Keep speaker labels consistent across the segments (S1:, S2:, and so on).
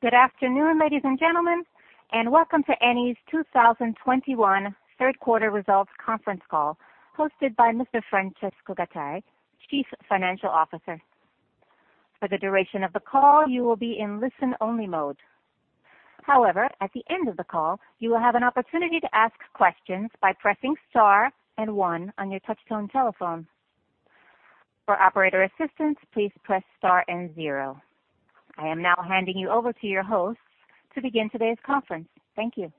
S1: Good afternoon, ladies and gentlemen, and Welcome to Eni's 2021 Q3 Results Conference call hosted by Mr. Francesco Gattei, Chief Financial Officer. For the duration of the call, you will be in listen-only mode. However, at the end of the call, you will have an opportunity to ask questions by pressing star and one on your touchtone telephone. For operator assistance, please press star and zero. I am now handing you over to your host to begin today's conference. Thank you.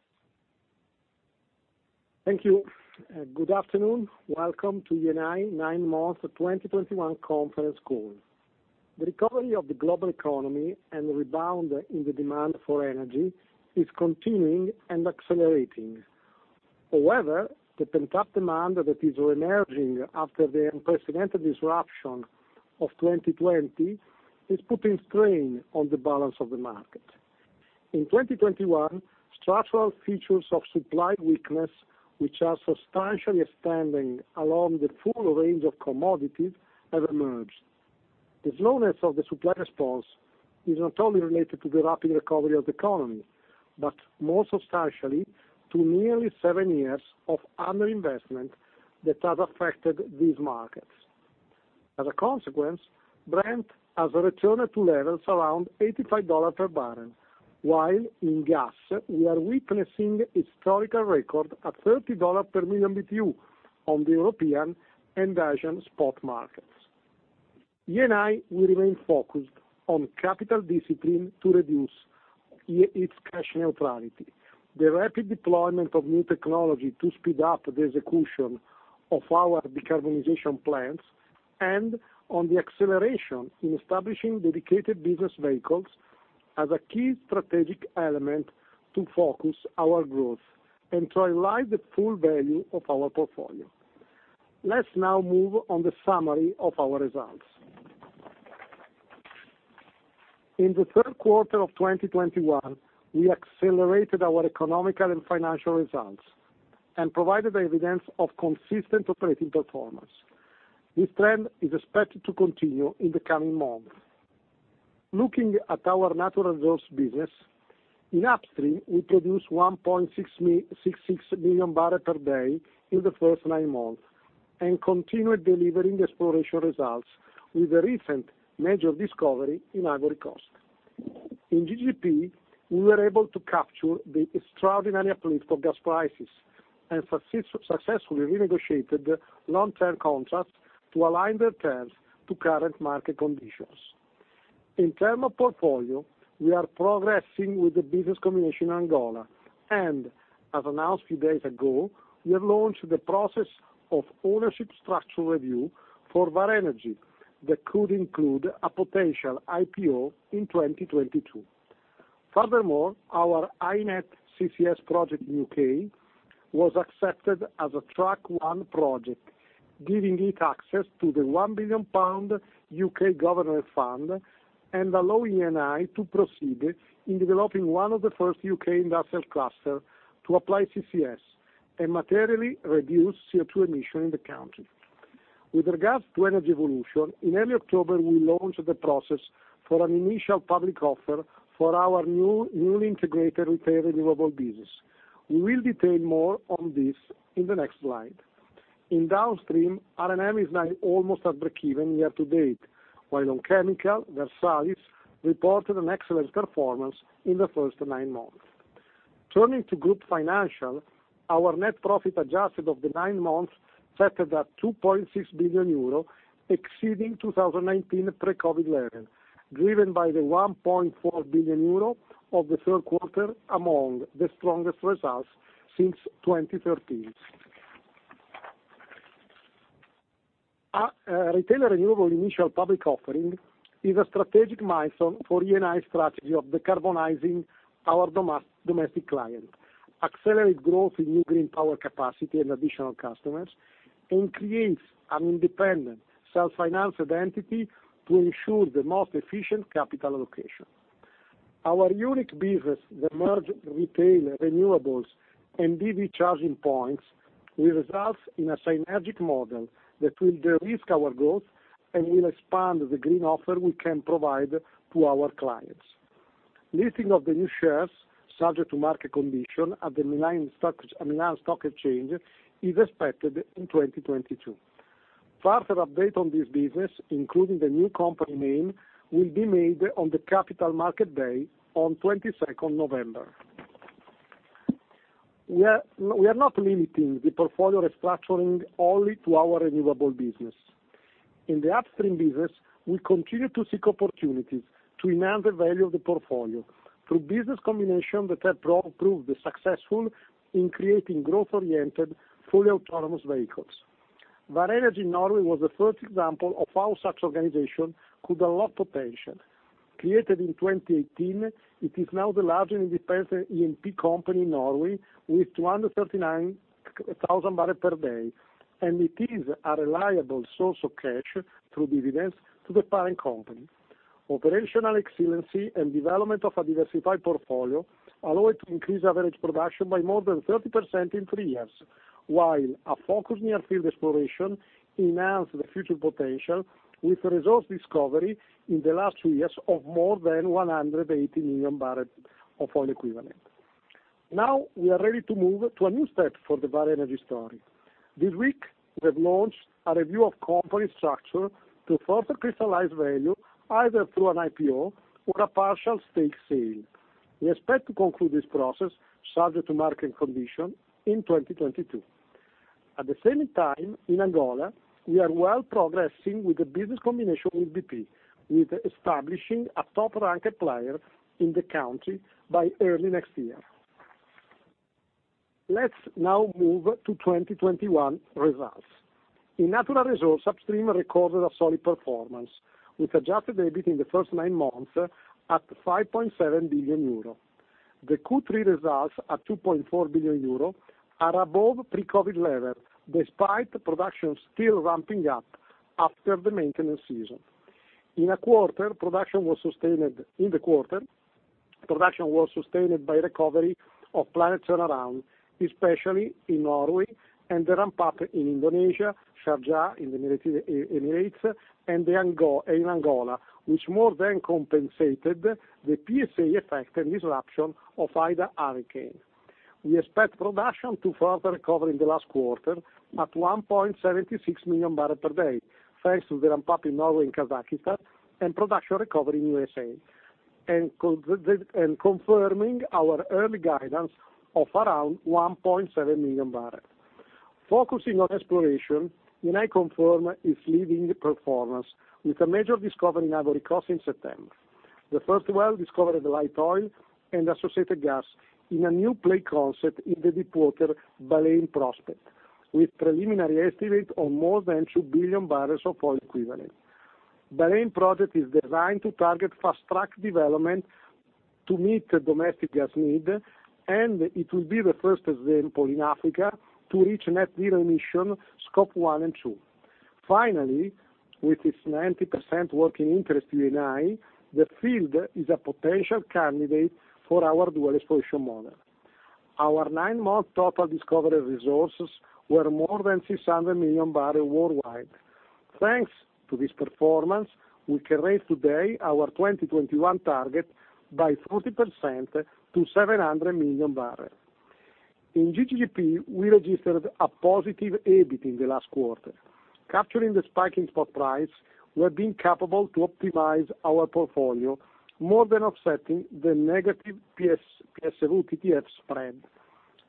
S2: Thank you. Good afternoon. Welcome to Eni nine months of 2021 conference call. he recovery of the global economy and the rebound in the demand for energy is continuing and accelerating. However, the pent-up demand that is reemerging after the unprecedented disruption of 2020 is putting strain on the balance of the market. In 2021, structural features of supply weakness, which are substantially extending along the full range of commodities, have emerged. The slowness of the supply response is not only related to the rapid recovery of the economy, but more substantially to nearly seven years of underinvestment that has affected these markets. As a consequence, Brent has returned to levels around $85 per barrel, while in gas, we are witnessing historical record at $30 per million BTU on the European and Asian spot markets. Eni will remain focused on capital discipline to reduce its cash neutrality, the rapid deployment of new technology to speed up the execution of our decarbonization plans and on the acceleration in establishing dedicated business vehicles as a key strategic element to focus our growth and to realize the full value of our portfolio. Let's now move on to the summary of our results. In the Q3 of 2021, we accelerated our economic and financial results and provided evidence of consistent operating performance. This trend is expected to continue in the coming months. Looking at our Natural Resources business, in upstream, we produced 1.66 million barrels per day in the first nine months and continued delivering exploration results with the recent major discovery in Ivory Coast. In GGP, we were able to capture the extraordinary uplift of gas prices and successfully renegotiated long-term contracts to align their terms to current market conditions. In terms of portfolio, we are progressing with the business combination in Angola, and as announced a few days ago, we have launched the process of ownership structural review for Vår Energi that could include a potential IPO in 2022. Furthermore, our HyNet CCS project in the U.K. was accepted as a track one project, giving it access to the 1 billion pound U.K. government fund and allowing Eni to proceed in developing one of the first U.K. industrial clusters to apply CCS and materially reduce CO2 emissions in the country. With regard to Energy Evolution, in early October, we launched the process for an initial public offer for our newly integrated Retail & Renewables business. We will detail more on this in the next slide. In downstream, R&M is now almost at breakeven year to date, while on chemical, Versalis reported an excellent performance in the first nine months. Turning to group financial, our net profit adjusted of the nine months settled at 2.6 billion euro, exceeding 2019 pre-COVID level, driven by the 1.4 billion euro of the Q3, among the strongest results since 2013. Our retail and renewables initial public offering is a strategic milestone for Eni's strategy of decarbonizing our domestic client, accelerate growth in new green power capacity and additional customers, and creates an independent, self-financed entity to ensure the most efficient capital allocation. Our unique business that merge Retail & Renewables and EV charging points will result in a synergic model that will de-risk our growth and will expand the green offer we can provide to our clients. Listing of the new shares subject to market condition at the Milan Stock Exchange is expected in 2022. Further update on this business, including the new company name, will be made on the Capital Market Day on 22 November. We are not limiting the portfolio restructuring only to our renewable business. In the upstream business, we continue to seek opportunities to enhance the value of the portfolio through business combination that had proved successful in creating growth-oriented, fully autonomous vehicles. Vår Energi in Norway was the first example of how such organization could unlock potential. Created in 2018, it is now the largest independent E&P company in Norway with 239,000 barrels per day, and it is a reliable source of cash through dividends to the parent company. Operational excellence and development of a diversified portfolio allow it to increase average production by more than 30% in three years, while a focused near field exploration enhances the future potential with resource discovery in the last two years of more than 180 million barrels of oil equivalent. We are ready to move to a new step for the Vår Energi story. This week, we have launched a review of company structure to further crystallize value either through an IPO or a partial stake sale. We expect to conclude this process subject to market conditions in 2022. At the same time, in Angola, we are well progressing with the business combination with BP, with establishing a top-ranked player in the country by early next year. Let's now move to 2021 results. In Natural Resources, upstream recorded a solid performance with adjusted EBIT in the first nine months at 5.7 billion euro. The Q3 results at 2.4 billion euro are above pre-COVID level despite production still ramping up after the maintenance season. In the quarter, production was sustained by recovery of planned turnaround, especially in Norway and the ramp-up in Indonesia, Sharjah in the United Arab Emirates, and in Angola, which more than compensated the PSA effect and disruption of Hurricane Ida. We expect production to further recover in the last quarter at 1.76 million barrels per day, thanks to the ramp-up in Norway and Kazakhstan and production recovery in USA, and confirming our early guidance of around 1.7 million barrels. Focusing on exploration, Eni confirms its leading performance with a major discovery in Ivory Coast in September. The first well discovered light oil and associated gas in a new play concept in the deep water Baleine prospect, with preliminary estimate on more than 2 billion barrels of oil equivalent. Baleine project is designed to target fast-track development to meet domestic gas need, and it will be the first example in Africa to reach net zero emission scope one and two. Finally, with its 90% working interest to Eni, the field is a potential candidate for our dual exploration model. Our nine-month total discovery resources were more than 600 million barrels worldwide. Thanks to this performance, we can raise today our 2021 target by 40% to 700 million barrels. In GGP, we registered a positive EBIT in the last quarter. Capturing the spike in spot price, we have been able to optimize our portfolio more than offsetting the negative PSV-TTF spread.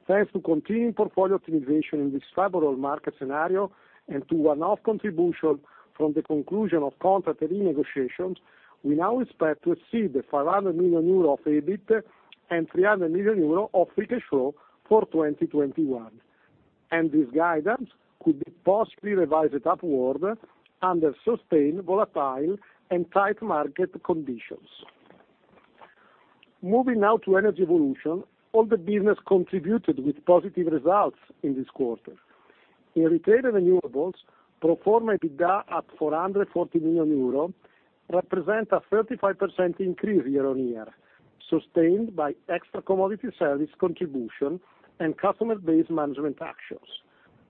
S2: Thanks to continuing portfolio optimization in this favorable market scenario and to one-off contribution from the conclusion of contract renegotiations, we now expect to exceed 500 million euro of EBIT and 300 million euro of free cash flow for 2021. This guidance could be possibly revised upward under sustained volatile and tight market conditions. Moving now to Energy Evolution, all the business contributed with positive results in this quarter. In Retail and Renewables, pro forma EBITDA at 440 million euro represent a 35% increase year-on-year, sustained by extra commodity service contribution and customer base management actions.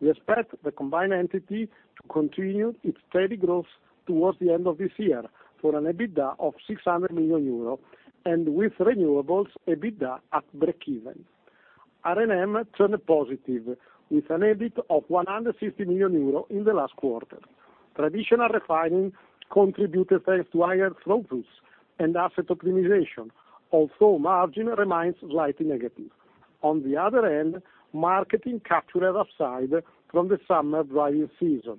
S2: We expect the combined entity to continue its steady growth towards the end of this year for an EBITDA of 600 million euro and with renewables EBITDA at breakeven. R&M turned positive with an EBIT of 160 million euro in the last quarter. Traditional refining contributed thanks to higher throughputs and asset optimization, although margin remains slightly negative. On the other end, marketing captured upside from the summer driving season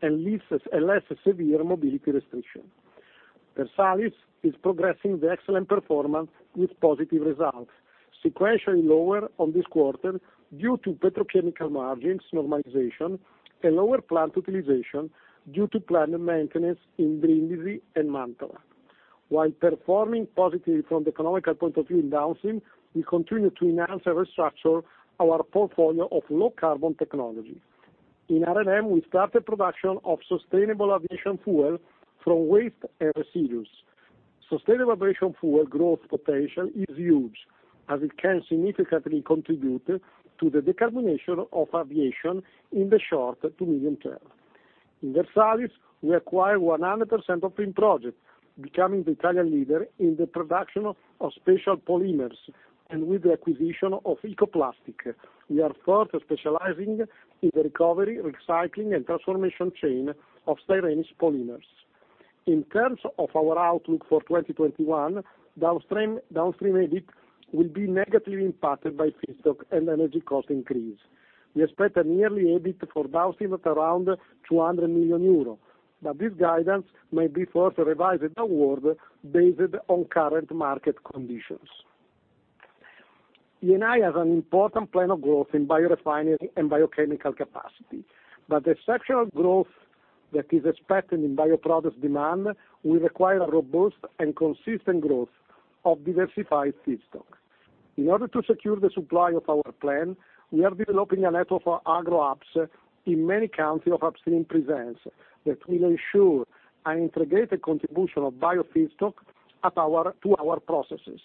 S2: and less severe mobility restriction. Versalis is progressing the excellent performance with positive results, sequentially lower on this quarter due to petrochemical margins normalization and lower plant utilization due to plant maintenance in Brindisi and Mantova. While performing positively from the economic point of view in Downstream, we continue to enhance and restructure our portfolio of low-carbon technology. In R&M, we started production of sustainable aviation fuel from waste and residues. Sustainable aviation fuel growth potential is huge, as it can significantly contribute to the decarbonization of aviation in the short to medium term. In Versalis, we acquired 100% of Finproject, becoming the Italian leader in the production of special polymers. With the acquisition of Ecoplastic, we are further specializing in the recovery, recycling, and transformation chain of styrenic polymers. In terms of our outlook for 2021, downstream EBIT will be negatively impacted by feedstock and energy cost increase. We expect a yearly EBIT for downstream at around 200 million euro, but this guidance may be further revised upward based on current market conditions. Eni has an important plan of growth in biorefinery and biochemical capacity. The structural growth that is expected in bioproducts demand will require a robust and consistent growth of diversified feedstock. In order to secure the supply of our plan, we are developing a network for agro hubs in many countries of upstream presence that will ensure an integrated contribution of biofeedstock to our processes.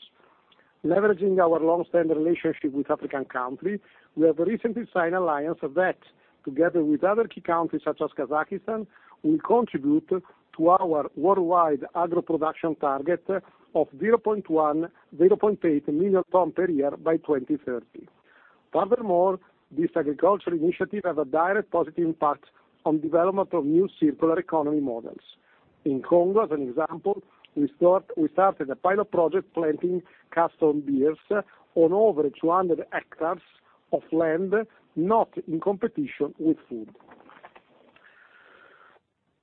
S2: Leveraging our long-standing relationship with African country, we have recently signed alliance that together with other key countries such as Kazakhstan will contribute to our worldwide agro production target of 0.1-0.8 million tons per year by 2030. Furthermore, this agricultural initiative has a direct positive impact on development of new circular economy models. In Congo, as an example, we started a pilot project planting castor beans on over 200 hectares of land, not in competition with food.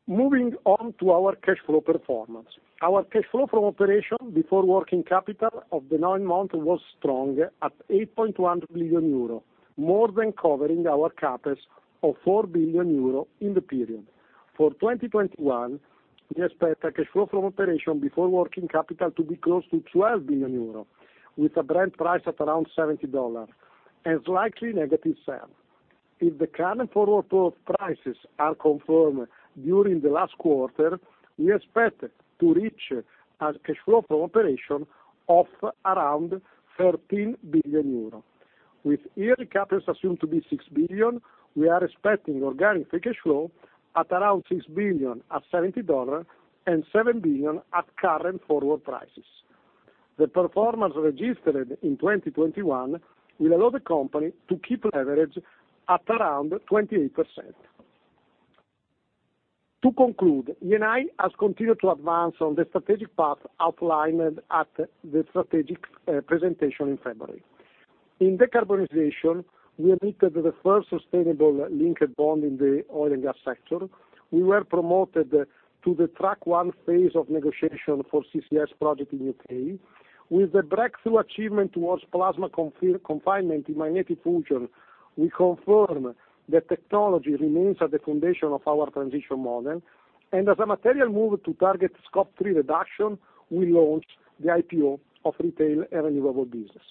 S2: Moving on to our cash flow performance. Our cash flow from operations before working capital for the nine months was strong at 8.1 billion euro, more than covering our CapEx of 4 billion euro in the period. For 2021, we expect a cash flow from operations before working capital to be close to 12 billion euro, with a Brent price at around $70 and slightly negative spread. If the current forward prices are confirmed during the last quarter, we expect to reach a cash flow from operations of around 13 billion euro. With yearly CapEx assumed to be 6 billion, we are expecting organic free cash flow at around 6 billion at $70 and 7 billion at current forward prices. The performance registered in 2021 will allow the company to keep leverage at around 28%. To conclude, Eni has continued to advance on the strategic path outlined at the strategic presentation in February. In decarbonization, we issued the first sustainable linked bond in the oil and gas sector. We were promoted to the Track 1 phase of negotiation for CCS project in U.K. With the breakthrough achievement towards plasma confinement in magnetic fusion, we confirm the technology remains at the foundation of our transition model. As a material move to target scope 3 reduction, we launched the IPO of Retail and Renewables business.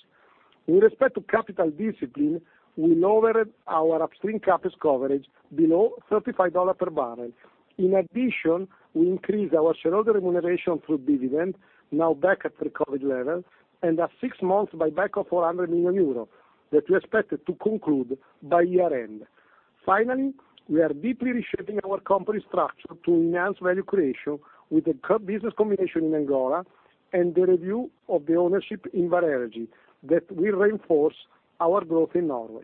S2: With respect to capital discipline, we lowered our upstream CapEx coverage below $35 per barrel. In addition, we increased our shareholder remuneration through dividend, now back at pre-COVID level, and a six months buyback of 400 million euro that we expected to conclude by year-end. Finally, we are deeply reshaping our company structure to enhance value creation with the current business combination in Angola and the review of the ownership in Vår Energi that will reinforce our growth in Norway.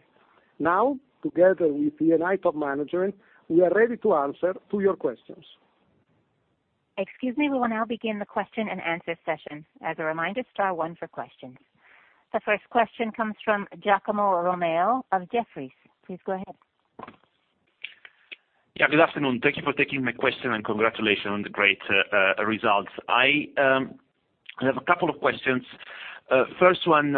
S2: Now, together with Eni top management, we are ready to answer to your questions.
S1: Excuse me. We will now begin the question-and-answer session. As a reminder, star one for questions. The first question comes from Giacomo Romeo of Jefferies. Please go ahead.
S3: Good afternoon. Thank you for taking my question, and congratulations on the great results. I have a couple of questions. First one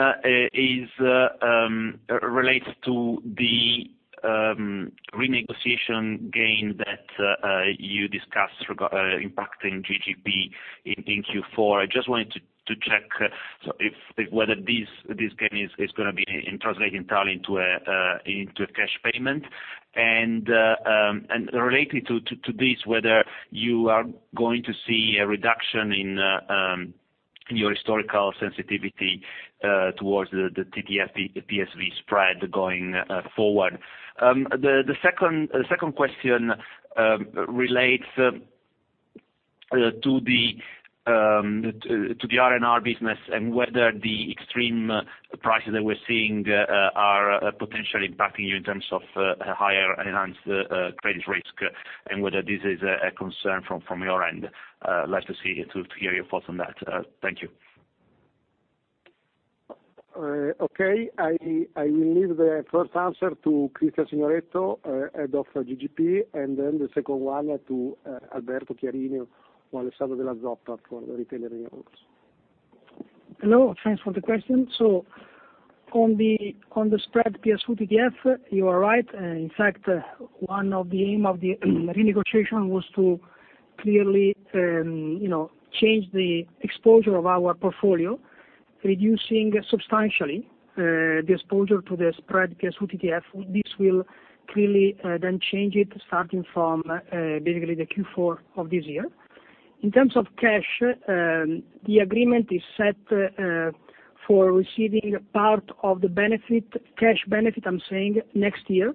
S3: relates to the renegotiation gain that you discussed regarding impacting GGP in Q4. I just wanted to check whether this gain is gonna be translating entirely into a cash payment. Related to this, whether you are going to see a reduction in your historical sensitivity towards the TTF, PSV spread going forward. The second question relates to the R&R business and whether the extreme prices that we're seeing are potentially impacting you in terms of heightened credit risk, and whether this is a concern from your end. Like to hear your thoughts on that. Thank you.
S2: Okay. I will leave the first answer to Cristian Signoretto, head of GGP, and then the second one to Alberto Chiarini or Alessandro Della Zoppa for the retail renewables.
S4: Hello. Thanks for the question. On the spread PSV TTF, you are right. In fact, one of the aim of the renegotiation was to clearly change the exposure of our portfolio, reducing substantially the exposure to the spread PSV TTF. This will clearly then change it starting from basically the Q4 of this year. In terms of cash, the agreement is set for receiving part of the benefit, cash benefit I'm saying, next year,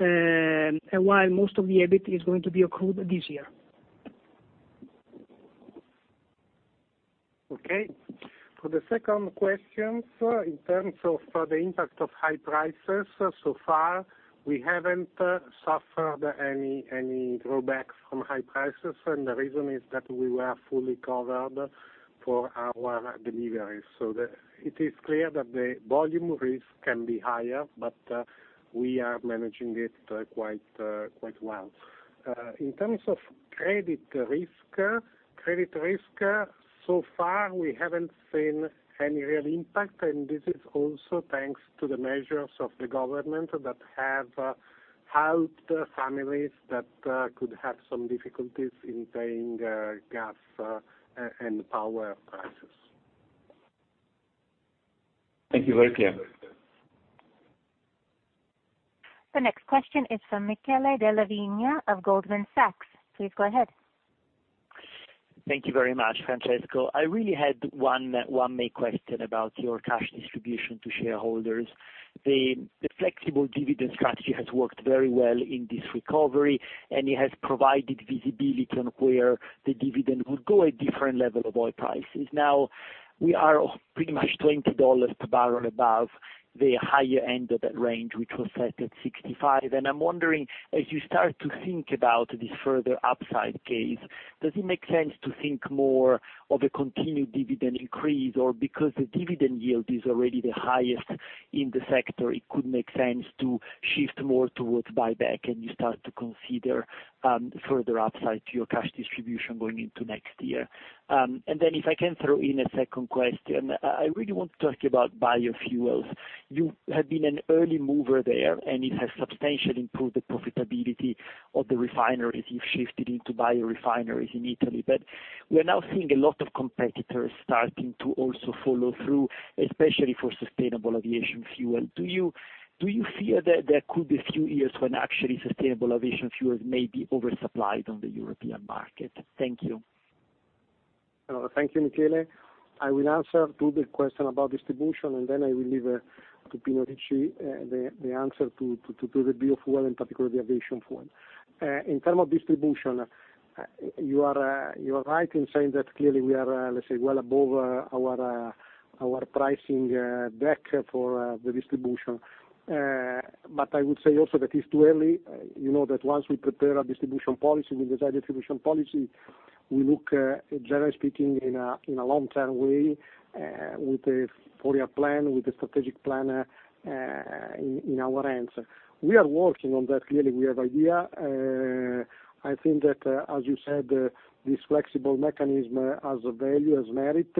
S4: and while most of the EBIT is going to be accrued this year.
S5: Okay. For the second question, in terms of the impact of high prices, so far we haven't suffered any drawbacks from high prices, and the reason is that we were fully covered for our deliveries. It is clear that the volume risk can be higher, but we are managing it quite well. In terms of credit risk, so far we haven't seen any real impact, and this is also thanks to the measures of the government that have helped families that could have some difficulties in paying gas and power prices.
S3: Thank you. Very clear.
S1: The next question is from Michele Della Vigna of Goldman Sachs. Please go ahead.
S6: Thank you very much, Francesco. I really had one main question about your cash distribution to shareholders. The flexible dividend strategy has worked very well in this recovery, and it has provided visibility on where the dividend would go at different level of oil prices. Now we are pretty much $20 per barrel above the higher end of that range, which was set at 65. I'm wondering, as you start to think about the further upside case, does it make sense to think more of a continued dividend increase? Or because the dividend yield is already the highest in the sector, it could make sense to shift more towards buyback, and you start to consider further upside to your cash distribution going into next year? If I can throw in a second question, I really want to talk about biofuels. You have been an early mover there, and it has substantially improved the profitability of the refineries you've shifted into biorefineries in Italy. We are now seeing a lot of competitors starting to also follow through, especially for sustainable aviation fuel. Do you fear that there could be a few years when actually sustainable aviation fuels may be oversupplied on the European market? Thank you.
S2: Thank you, Michele. I will answer to the question about distribution, and then I will leave to Giuseppe Ricci the answer to the biofuel and particularly aviation fuel. In terms of distribution, you are right in saying that clearly we are, let's say, well above our pricing deck for the distribution. But I would say also that it's too early. You know, that once we prepare a distribution policy, we design distribution policy, we look, generally speaking, in a long-term way, with a four-year plan, with a strategic plan, in our hands. We are working on that. Clearly, we have idea. I think that, as you said, this flexible mechanism has a value, has merit.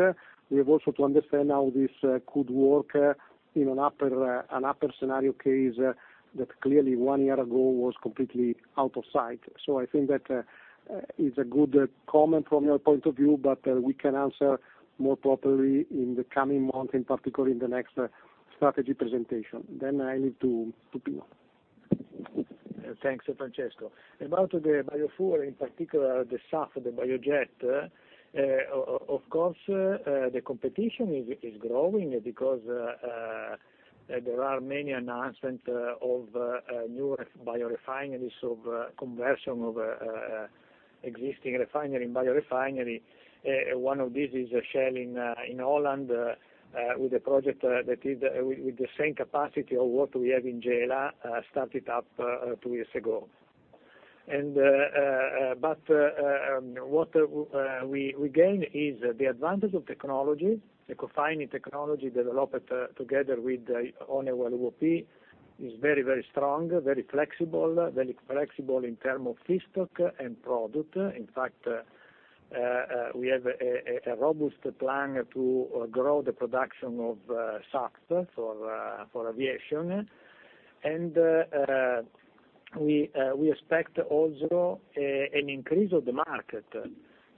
S2: We have also to understand how this could work in an upside scenario case that clearly one year ago was completely out of sight. I think that is a good comment from your point of view, but we can answer more properly in the coming month, in particular in the next strategy presentation. I leave to Pino.
S7: Thanks, Francesco. About the biofuel, in particular the SAF, the biojet, of course, the competition is growing because there are many announcements of new biorefineries of conversion of existing refinery and biorefinery. One of these is Shell in Holland with a project that is with the same capacity of what we have in Gela, started up two years ago. What we gain is the advantage of technology, the Ecofining technology developed together with the owner of UOP is very strong, very flexible in terms of feedstock and product. In fact, we have a robust plan to grow the production of SAF for aviation. We expect also an increase of the market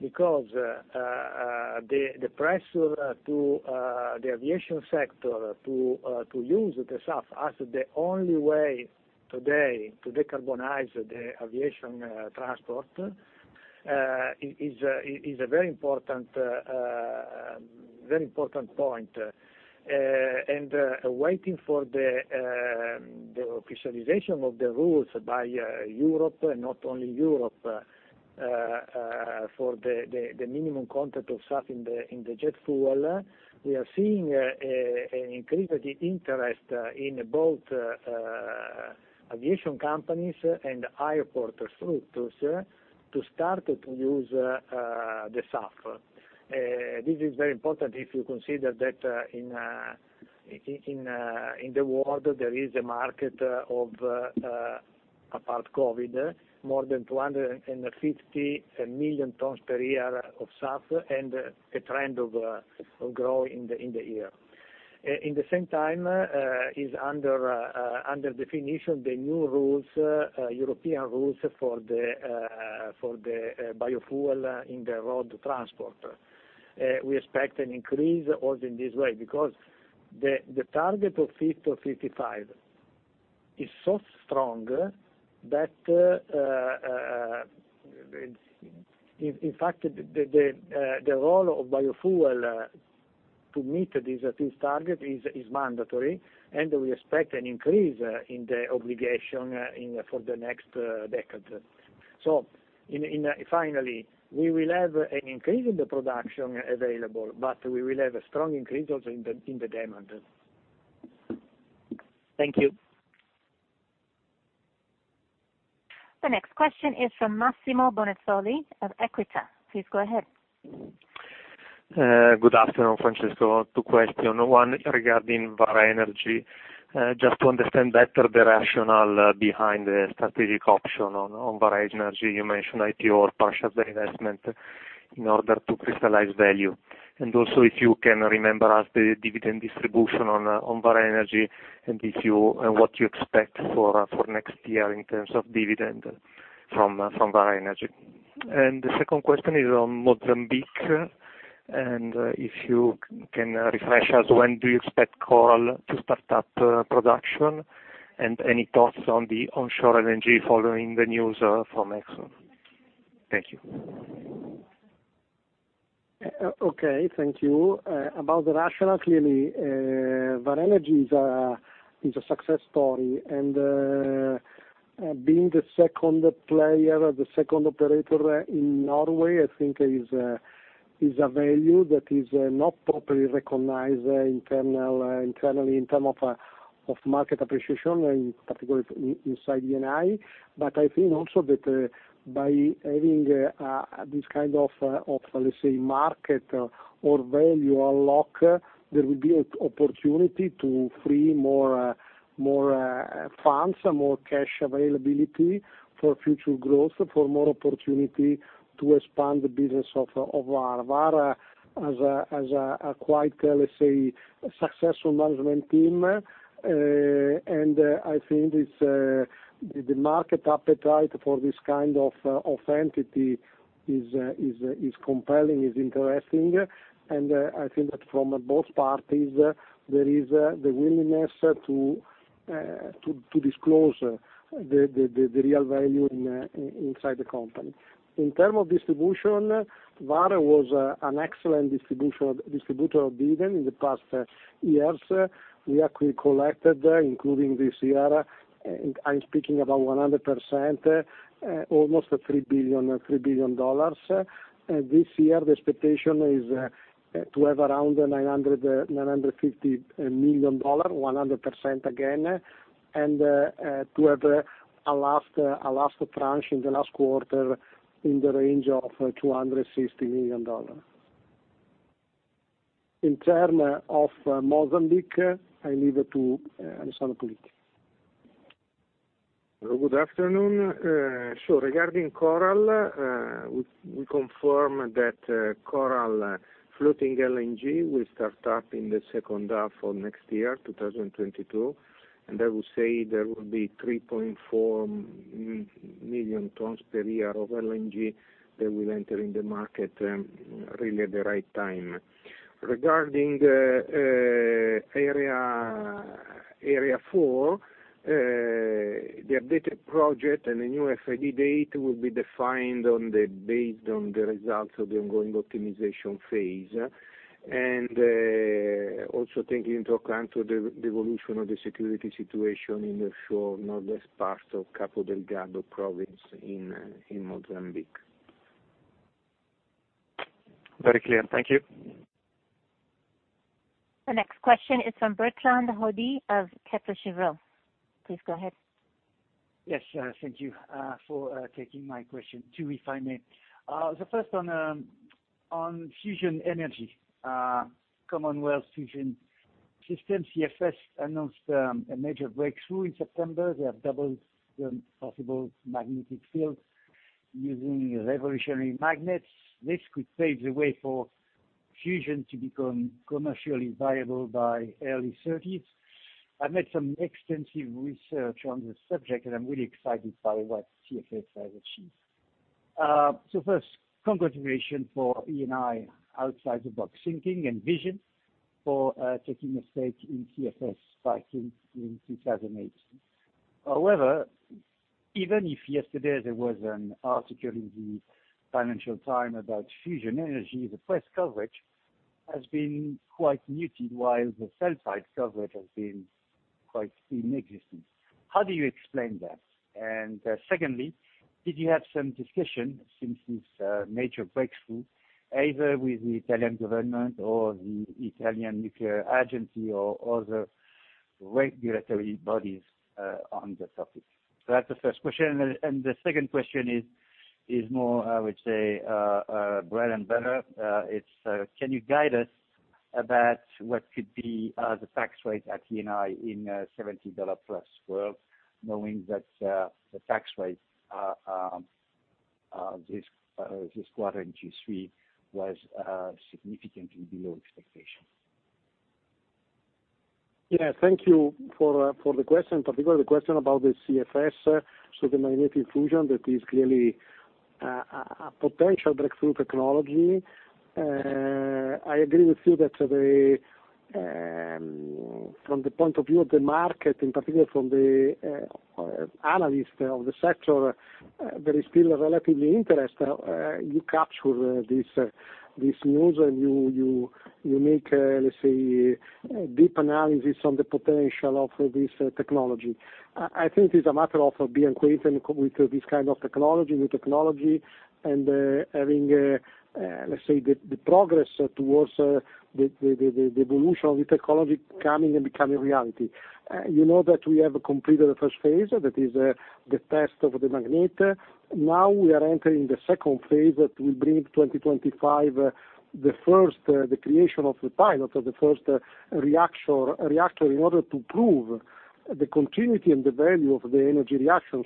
S7: because the pressure to the aviation sector to use the SAF as the only way today to decarbonize the aviation transport is a very important point. Waiting for the officialization of the rules by Europe, not only Europe, for the minimum content of SAF in the jet fuel, we are seeing an increased interest in both aviation companies and airport structures to start to use the SAF. This is very important if you consider that in the world there is a market of, apart from COVID, more than 250 million tons per year of SAF and a trend of growth in the year. At the same time, is under definition the new European rules for the biofuel in the road transport. We expect an increase also in this way because the target of 50%-55% is so strong that in fact the role of biofuel to meet this target is mandatory, and we expect an increase in the obligation for the next decade. in finally, we will have an increase in the production available, but we will have a strong increase also in the demand.
S6: Thank you.
S1: The next question is from Massimo Bonisoli of Equita. Please go ahead.
S8: Good afternoon, Francesco. Two questions, one regarding Vår Energi. Just to understand better the rationale behind the strategic option on Vår Energi. You mentioned IPO or partial divestment in order to crystallize value. Also, if you can remind us of the dividend distribution on Vår Energi, and what you expect for next year in terms of dividend from Vår Energi. The second question is on Mozambique. If you can refresh us, when do you expect Coral to start up production? Any thoughts on the onshore LNG following the news from ExxonMobil? Thank you.
S2: Okay. Thank you. About the rationale, clearly, Vår Energi is a success story. Being the second player, the second operator in Norway, I think is a value that is not properly recognized, internally in terms of market appreciation, in particular inside Eni. I think also that by having this kind of, let's say, market or value unlock, there will be an opportunity to free more funds, more cash availability for future growth, for more opportunity to expand the business of Vår Energi. Vår Energi has a quite, let's say, successful management team. I think the market appetite for this kind of entity is compelling, is interesting. I think that from both parties, there is the willingness to disclose the real value inside the company. In terms of distribution, Vår Energi was an excellent distributor of dividends in the past years. We actually collected, including this year, I'm speaking about 100%, almost $3 billion. This year, the expectation is to have around $950 million, 100% again, and to have a last tranche in the last quarter in the range of $260 million. In terms of Mozambique, I leave it to Alessandro Puliti.
S9: Good afternoon. Regarding Coral, we confirm that Coral Sul FLNG will start up in the H2 of next year, 2022. I will say there will be 3.4 million tons per year of LNG that will enter in the market, really at the right time. Regarding Area Four, the updated project and the new FID date will be defined based on the results of the ongoing optimization phase. Also taking into account the evolution of the security situation in the northern parts of Cabo Delgado province in Mozambique.
S8: Very clear. Thank you.
S1: The next question is from Bertrand Hodée of Kepler Cheuvreux. Please go ahead.
S10: Yes, thank you for taking my question. Two, if I may. The first on fusion energy. Commonwealth Fusion Systems, CFS, announced a major breakthrough in September. They have doubled the possible magnetic field using revolutionary magnets. This could pave the way for fusion to become commercially viable by early thirties. I've made some extensive research on this subject, and I'm really excited by what CFS has achieved. First, congratulations for Eni outside the box thinking and vision for taking a stake in CFS back in 2018. However, even if yesterday there was an article in the Financial Times about fusion energy, the press coverage has been quite muted, while the sell side coverage has been quite inexistent. How do you explain that? Secondly, did you have some discussion since this major breakthrough, either with the Italian government or the Italian Nuclear Agency or other regulatory bodies, on the topic? So that's the first question. The second question is more, I would say, bread and butter. It's can you guide us about what could be the tax rates at Eni in $70+ world, knowing that the tax rates this quarter in Q3 was significantly below expectations?
S2: Yeah, thank you for the question, particularly the question about the CFS. The magnetic fusion, that is clearly a potential breakthrough technology. I agree with you that the from the point of view of the market, in particular from the analyst of the sector, there is still relatively little interest. You capture this news and you make, let's say, a deep analysis on the potential of this technology. I think it's a matter of being acquainted with this kind of technology, new technology, and having, let's say, the progress towards the evolution of the technology coming and becoming reality. You know that we have completed the first phase. That is the test of the magnet. We are entering the second phase that will bring in 2025 the creation of the pilot of the first reactor in order to prove the continuity and the value of the energy reaction.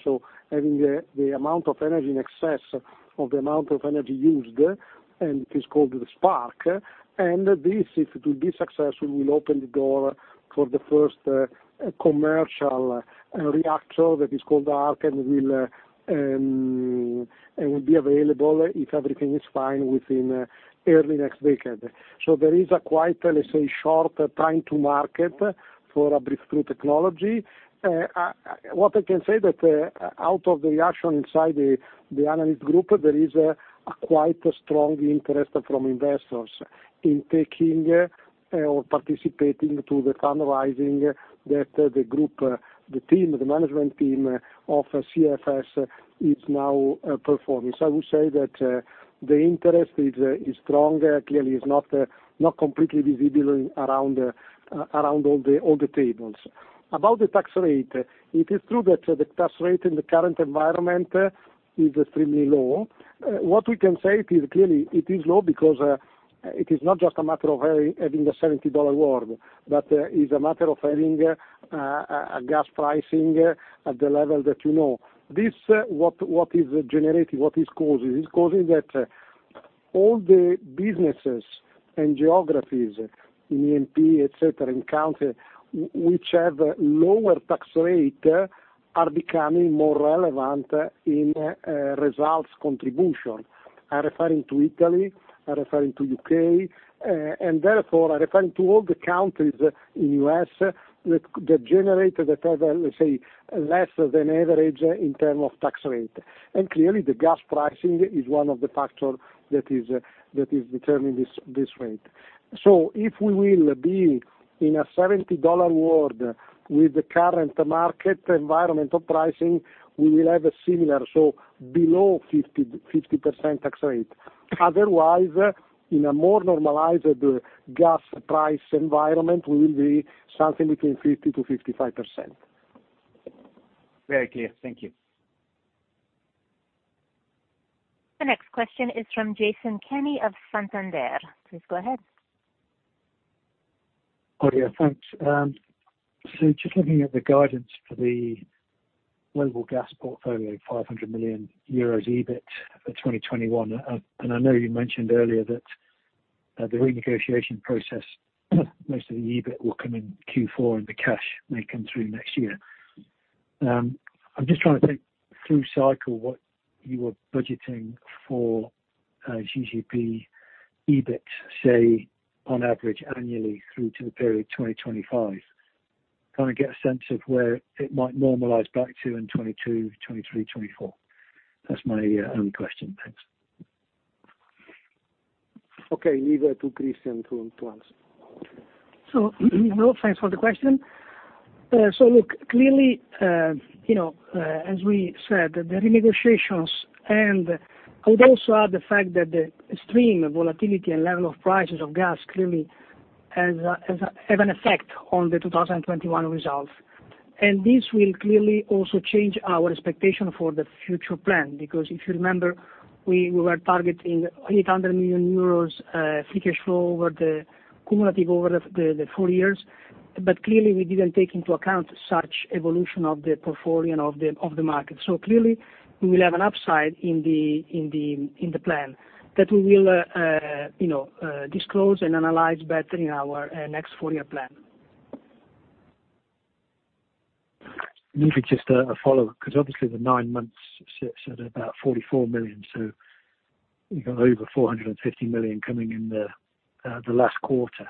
S2: Having the amount of energy in excess of the amount of energy used, and it is called the SPARC. This, if it will be successful, will open the door for the first commercial reactor that is called the ARC, and will be available if everything is fine within early next decade. There is a quite, let's say, short time to market for a breakthrough technology. What I can say that out of the reaction inside the analyst group, there is a quite strong interest from investors in taking or participating to the fundraising that the group, the team, the management team of CFS is now performing. I would say that the interest is strong. Clearly, it's not completely visible around all the tables. About the tax rate, it is true that the tax rate in the current environment is extremely low. What we can say is clearly it is low because it is not just a matter of having a $70 world, but it's a matter of having a gas pricing at the level that you know. What is causing that all the businesses and geographies in EMP, et cetera, in country, which have lower tax rate are becoming more relevant in results contribution. I'm referring to Italy, I'm referring to U.K., and therefore, I'm referring to all the countries in U.S. that generate at a level, let's say, less than average in term of tax rate. Clearly, the gas pricing is one of the factor that is determining this rate. If we will be in a $70 world with the current market environmental pricing, we will have a similar, so below 50-50% tax rate. Otherwise, in a more normalized gas price environment, we will be something between 50%-55%.
S10: Very clear. Thank you.
S1: The next question is from Jason Kenney of Santander. Please go ahead.
S11: Oh, yeah, thanks. Just looking at the guidance for the global gas portfolio, 500 million euros EBIT for 2021. I know you mentioned earlier that the renegotiation process, most of the EBIT will come in Q4, and the cash may come through next year. I'm just trying to think through cycle what you were budgeting for GGP EBIT, say on average annually through to the period 2025. Can I get a sense of where it might normalize back to in 2022, 2023, 2024? That's my only question. Thanks.
S2: Okay, leave it to Cristian to answer.
S4: Well, thanks for the question. Look, clearly, you know, as we said, the renegotiations, and I would also add the fact that the extreme volatility and level of prices of gas clearly have an effect on the 2021 results. This will clearly also change our expectation for the future plan, because if you remember, we were targeting 800 million euros free cash flow over the cumulative four years. Clearly, we didn't take into account such evolution of the portfolio of the market. Clearly, we will have an upside in the plan that we will, you know, disclose and analyze better in our next four-year plan.
S11: Maybe just a follow-up, because obviously the nine months sits at about 44 million, so you've got over 450 million coming in the last quarter.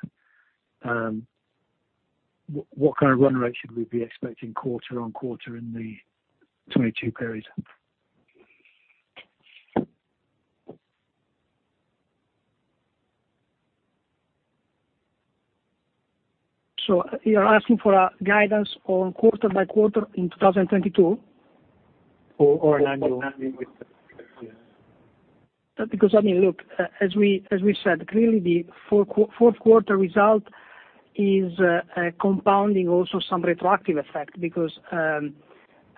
S11: What kind of run rate should we be expecting quarter-on-quarter in the 2022 period?
S4: You're asking for a guidance on quarter-by-quarter in 2022?
S11: An annual.
S2: An annual, yes.
S4: I mean, look, as we said, clearly the Q4 result is compounding also some retroactive effect because,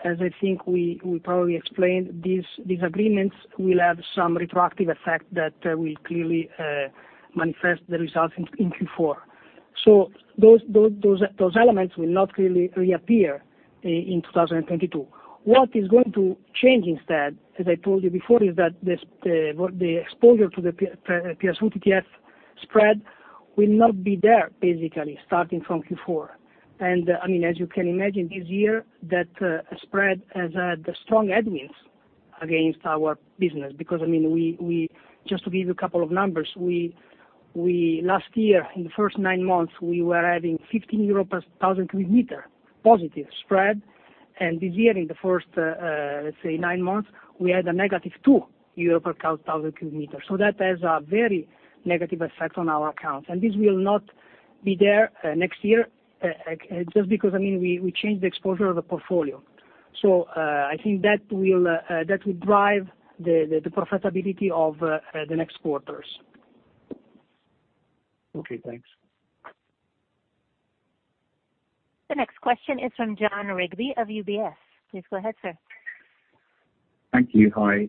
S4: as I think we probably explained, these agreements will have some retroactive effect that will clearly manifest the results in Q4. Those elements will not really reappear in 2022. What is going to change instead, as I told you before, is that the exposure to the PSV TTF spread will not be there basically starting from Q4. I mean, as you can imagine this year, that spread has had strong headwinds against our business because, I mean, just to give you a couple of numbers, last year in the first nine months we were having 15 euro per thousand cubic meter positive spread. This year in the first, let's say nine months, we had a negative 2 euro per thousand cubic meter. That has a very negative effect on our accounts, and this will not be there next year just because, I mean, we changed the exposure of the portfolio. I think that will drive the profitability of the next quarters.
S11: Okay, thanks.
S1: The next question is from Jon Rigby of UBS. Please go ahead, sir.
S12: Thank you. Hi.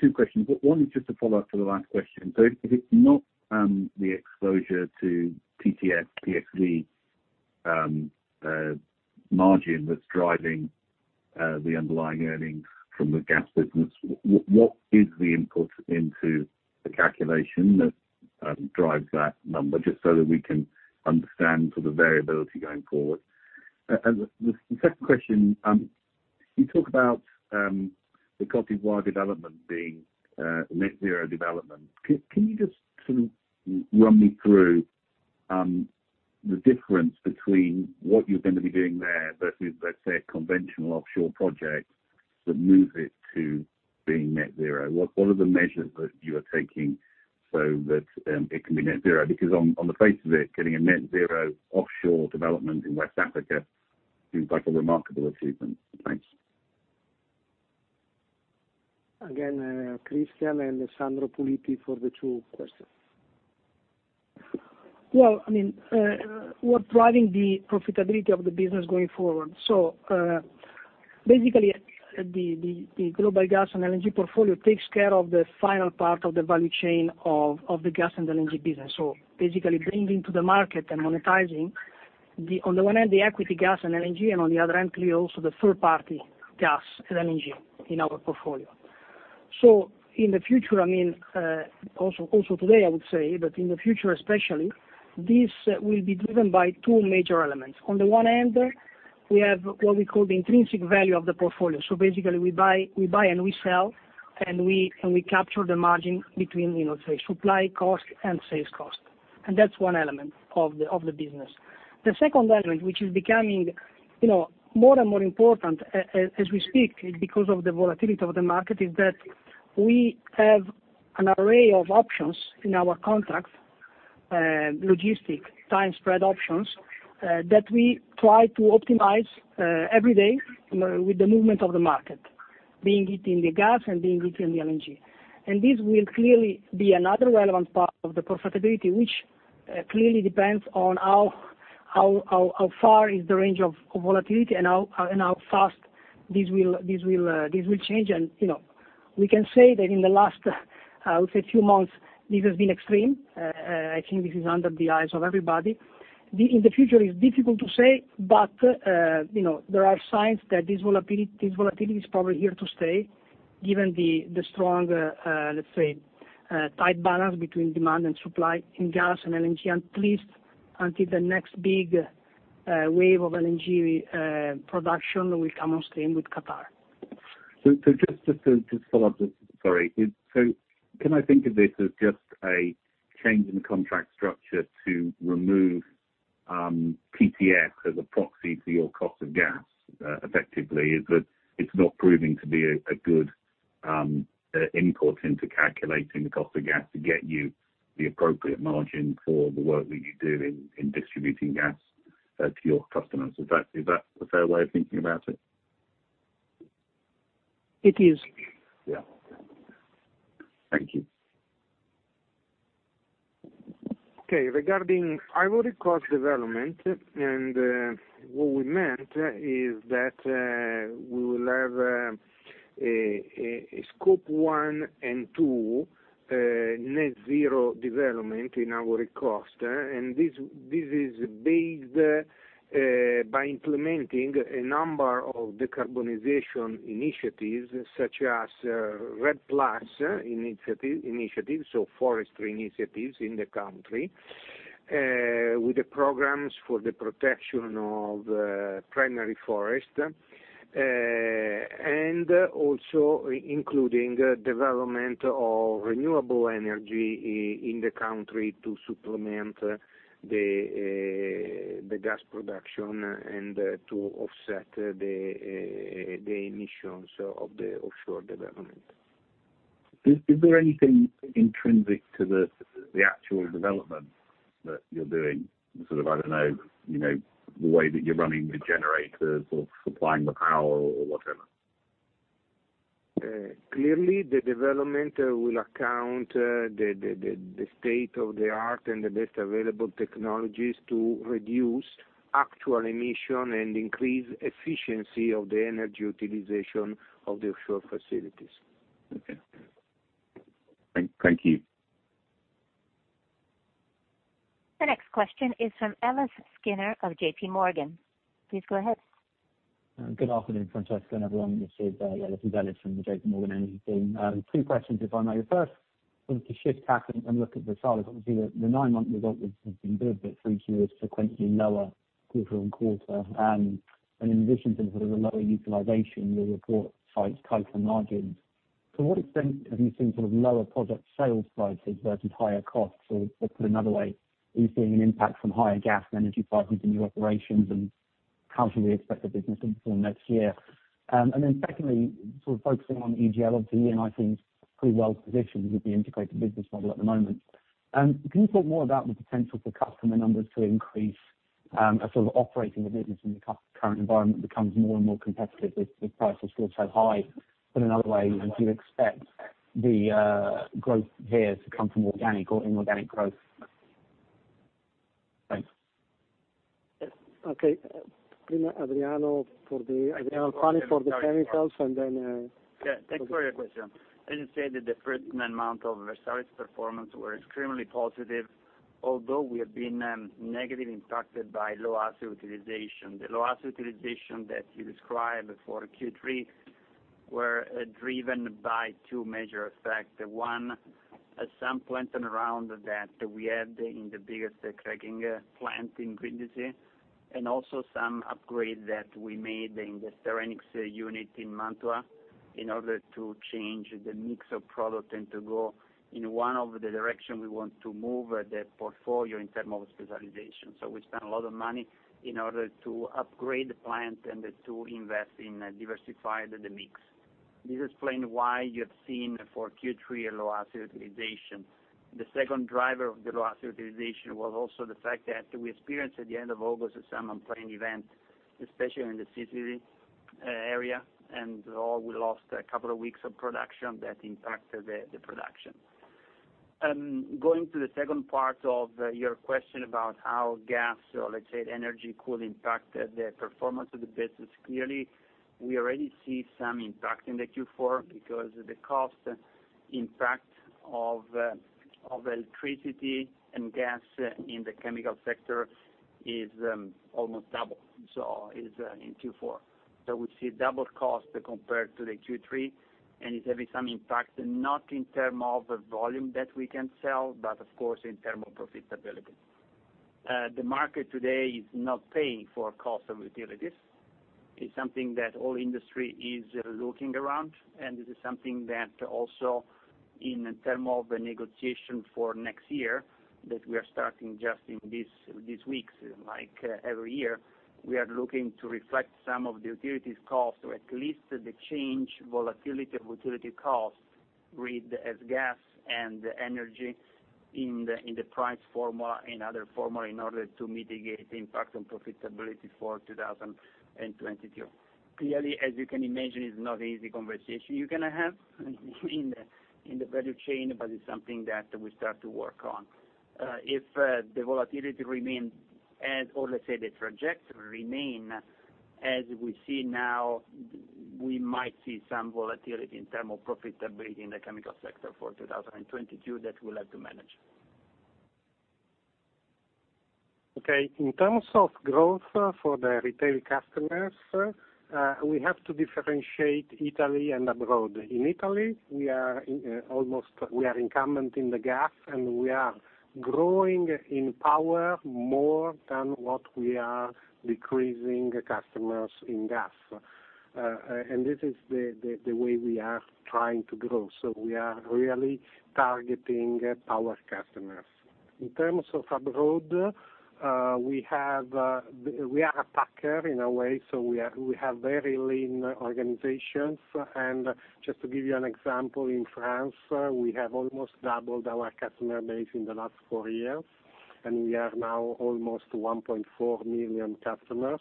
S12: Two questions, but one is just a follow-up to the last question. If it's not the exposure to TTF, PSV Margin that's driving the underlying earnings from the gas business. What is the input into the calculation that drives that number, just so that we can understand sort of variability going forward? The second question, you talk about the Cote d'Ivoire development being a net zero development. Can you just sort of run me through the difference between what you're gonna be doing there versus, let's say, a conventional offshore project that moves it to being net zero? What are the measures that you are taking so that it can be net zero? Because on the face of it, getting a net zero offshore development in West Africa seems like a remarkable achievement. Thanks.
S2: Again, Cristian and Sandro Puliti for the two questions.
S4: Well, I mean, what's driving the profitability of the business going forward. Basically, the Global Gas & LNG Portfolio takes care of the final part of the value chain of the gas and LNG business. Basically bringing to the market and monetizing the equity gas and LNG, on the one hand, and on the other hand, clearly also the third-party gas and LNG in our portfolio. In the future, I mean, also today, I would say, but in the future especially, this will be driven by two major elements. On the one hand, we have what we call the intrinsic value of the portfolio. Basically, we buy and we sell, and we capture the margin between, you know, say, supply cost and sales cost. That's one element of the business. The second element, which is becoming, you know, more and more important as we speak because of the volatility of the market, is that we have an array of options in our contracts, logistic time spread options, that we try to optimize every day, you know, with the movement of the market, being it in the gas and being it in the LNG. This will clearly be another relevant part of the profitability, which clearly depends on how far is the range of volatility and how fast this will change. We can say that in the last, I would say few months, this has been extreme. I think this is under the eyes of everybody. In the future, it's difficult to say, but, you know, there are signs that this volatility is probably here to stay given the strong, let's say, tight balance between demand and supply in gas and LNG, at least until the next big wave of LNG production will come on stream with Qatar.
S12: Just to follow up. Sorry. Can I think of this as just a change in contract structure to remove PSV as a proxy for your cost of gas, effectively? Is that it's not proving to be a good input into calculating the cost of gas to get you the appropriate margin for the work that you do in distributing gas to your customers. Is that a fair way of thinking about it?
S4: It is.
S12: Yeah. Thank you.
S9: Okay. Regarding Ivory Coast development, what we meant is that we will have a scope one and two net zero development in Ivory Coast. This is based by implementing a number of decarbonization initiatives such as REDD+ initiative, so forestry initiatives in the country with the programs for the protection of primary forest and also including development of renewable energy in the country to supplement the gas production and to offset the emissions of the offshore development.
S12: Is there anything intrinsic to the actual development that you're doing, sort of, I don't know, you know, the way that you're running the generators or supplying the power or whatever?
S9: Clearly, the development will account for the state-of-the-art and the best available technologies to reduce actual emissions and increase efficiency of the energy utilization of the offshore facilities.
S12: Okay. Thank you.
S1: The next question is from Ellis Skinner of JPMorgan. Please go ahead.
S13: Good afternoon, Francesco and everyone. This is Ellis Skinner from the J.P. Morgan Energy team. Two questions if I may. First, wanted to change tack and look at the...
S2: Adriano Alfani for the chemicals, and then
S14: Yeah, thanks for your question. As you said, the first nine months of Versalis performance were extremely positive, although we have been negatively impacted by low asset utilization. The low asset utilization that you described for Q3 were driven by two major effects. One, some planned outages that we had in the biggest cracking plant in Brindisi, and also some upgrades that we made in the styrenics unit in Mantova in order to change the mix of product and to go in one of the directions we want to move the portfolio in terms of specialization. We spent a lot of money in order to upgrade the plant and to invest in diversifying the mix. This explains why you have seen for Q3 a low asset utilization. The second driver of the low asset utilization was also the fact that we experienced at the end of August some unplanned event, especially in the CCS area, and we lost a couple of weeks of production that impacted the production. Going to the second part of your question about how gas, or let's say the energy could impact the performance of the business, clearly we already see some impact in the Q4 because the cost impact of electricity and gas in the chemical sector is almost double, so is in Q4. We see double cost compared to the Q3, and it's having some impact, not in terms of the volume that we can sell, but of course in terms of profitability. The market today is not paying for cost of utilities. It's something that all industry is looking around, and this is something that also in term of the negotiation for next year that we are starting just in these weeks, like every year, we are looking to reflect some of the utilities cost, or at least the change volatility of utility costs, read as gas and energy, in the price formula, in other formula, in order to mitigate the impact on profitability for 2022. Clearly, as you can imagine, it's not an easy conversation you're gonna have in the value chain, but it's something that we start to work on. If the volatility remains as, or let's say the trajectory remain as we see now, we might see some volatility in term of profitability in the chemical sector for 2022 that we'll have to manage.
S5: Okay, in terms of growth for the retail customers, we have to differentiate Italy and abroad. In Italy, we are incumbent in the gas, and we are growing in power more than what we are decreasing customers in gas. This is the way we are trying to grow. We are really targeting power customers. In terms of abroad, we are a packer in a way, so we have very lean organizations. Just to give you an example, in France, we have almost doubled our customer base in the last four years, and we are now almost 1.4 million customers.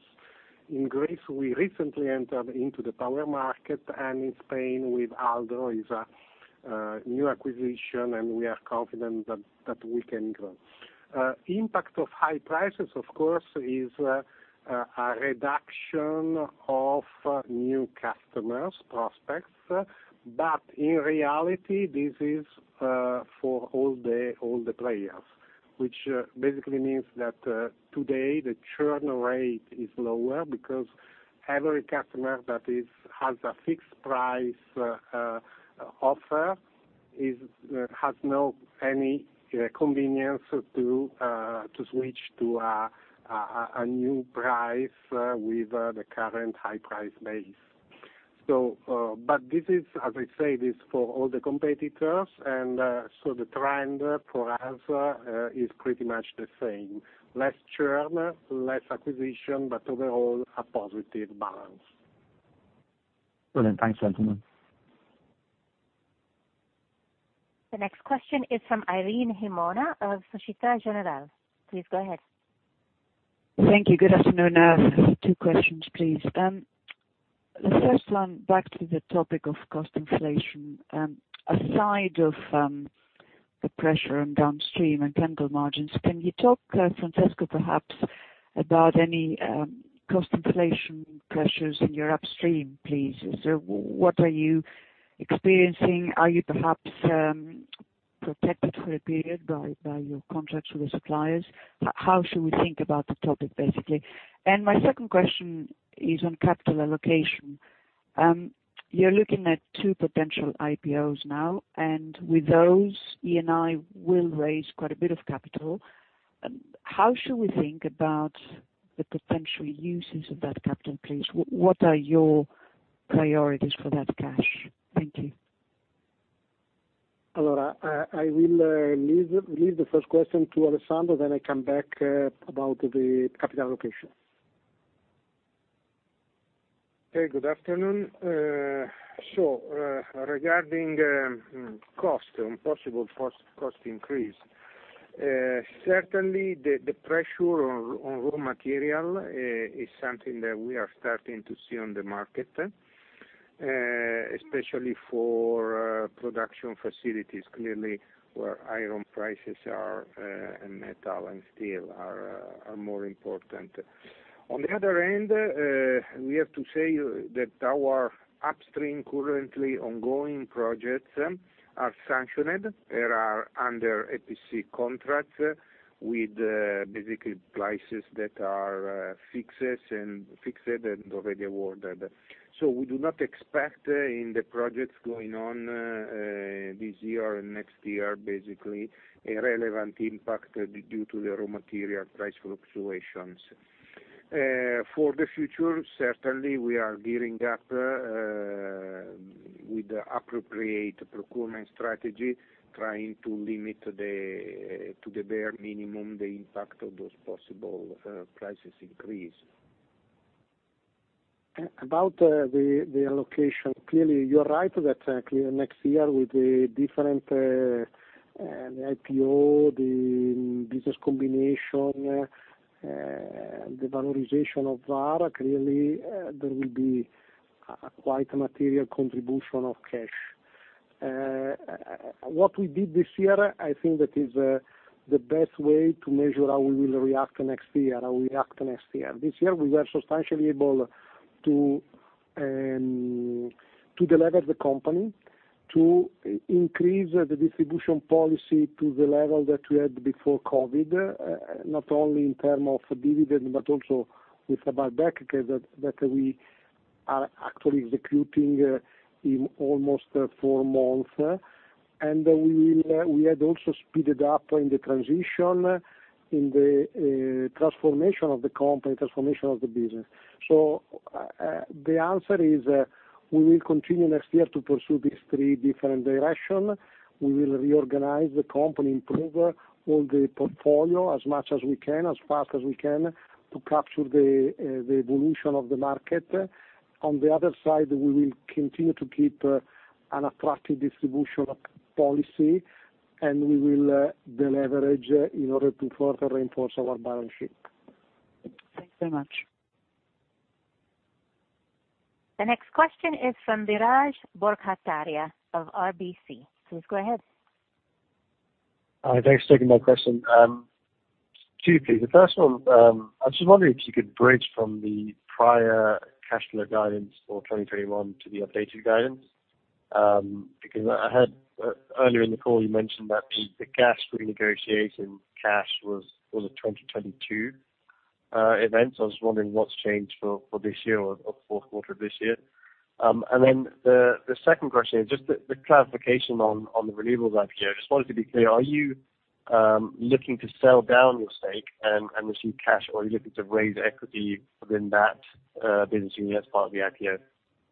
S5: In Greece, we recently entered into the power market, and in Spain with Aldro is a new acquisition, and we are confident that we can grow. Impact of high prices, of course, is a reduction of new customers, prospects. In reality, this is for all the players, which basically means that today the churn rate is lower because every customer that has a fixed price offer has no incentive to switch to a new price with the current high price base. This is, as I say, for all the competitors, and so the trend for us is pretty much the same. Less churn, less acquisition, but overall a positive balance.
S13: Well, thanks gentlemen.
S1: The next question is from Irene Himona of Société Générale. Please go ahead.
S15: Thank you. Good afternoon. I have two questions, please. The first one, back to the topic of cost inflation, aside of the pressure on downstream and chemical margins, can you talk, Francesco, perhaps about any cost inflation pressures in your upstream, please? So what are you experiencing? Are you perhaps protected for a period by your contracts with the suppliers? How should we think about the topic, basically? My second question is on capital allocation. You're looking at two potential IPOs now, and with those, Eni will raise quite a bit of capital. How should we think about the potential uses of that capital, please? What are your priorities for that cash? Thank you.
S2: I will leave the first question to Alessandro, then I come back about the capital allocation.
S9: Okay, good afternoon. Regarding cost and possible cost increase, certainly the pressure on raw material is something that we are starting to see on the market. Especially for production facilities, clearly where iron prices are, and metal and steel are more important. On the other end, we have to say that our upstream currently ongoing projects are sanctioned. They are under EPC contracts with basically prices that are fixed and already awarded. We do not expect, in the projects going on, this year and next year, basically, a relevant impact due to the raw material price fluctuations. For the future, certainly we are gearing up with the appropriate procurement strategy, trying to limit to the bare minimum the impact of those possible price increases.
S2: About the allocation, clearly, you are right that next year with the different an IPO, the business combination, the valorization of Vår, clearly, there will be a quite material contribution of cash. What we did this year, I think that is the best way to measure how we will react next year. This year, we were substantially able to delever the company, to increase the distribution policy to the level that we had before COVID, not only in terms of dividend, but also with a buyback that we are actually executing in almost four months. We had also speeded up in the transition, in the transformation of the company, transformation of the business. The answer is, we will continue next year to pursue these three different direction. We will reorganize the company, improve all the portfolio as much as we can, as fast as we can, to capture the evolution of the market. On the other side, we will continue to keep an attractive distribution policy, and we will deleverage in order to further reinforce our balance sheet.
S15: Thanks so much.
S1: The next question is from Biraj Borkhataria of RBC. Please go ahead.
S16: Hi, thanks for taking my question. Two please. The first one, I was just wondering if you could bridge from the prior cash flow guidance for 2021 to the updated guidance. Because I heard earlier in the call you mentioned that the gas renegotiating cash was a 2022 event. I was wondering what's changed for this year or Q4 of this year. The second question is just the clarification on the renewables IPO. I just wanted to be clear, are you looking to sell down your stake and receive cash, or are you looking to raise equity within that business unit as part of the IPO?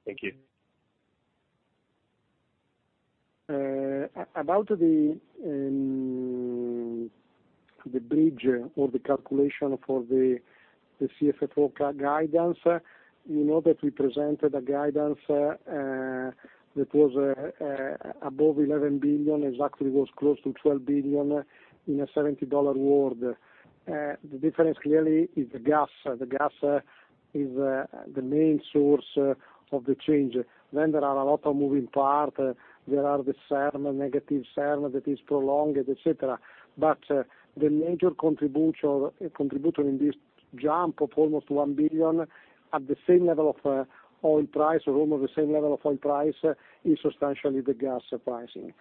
S16: Thank you.
S2: About the bridge or the calculation for the CFFO guidance, you know that we presented a guidance that was above 11 billion, exactly was close to 12 billion in a $70 world. The difference clearly is the gas. The gas is the main source of the change. There are a lot of moving parts. There are the term, negative term that is prolonged, et cetera. The major contributor in this jump of almost 1 billion at the same level of oil price, or almost the same level of oil price, is substantially the gas pricing.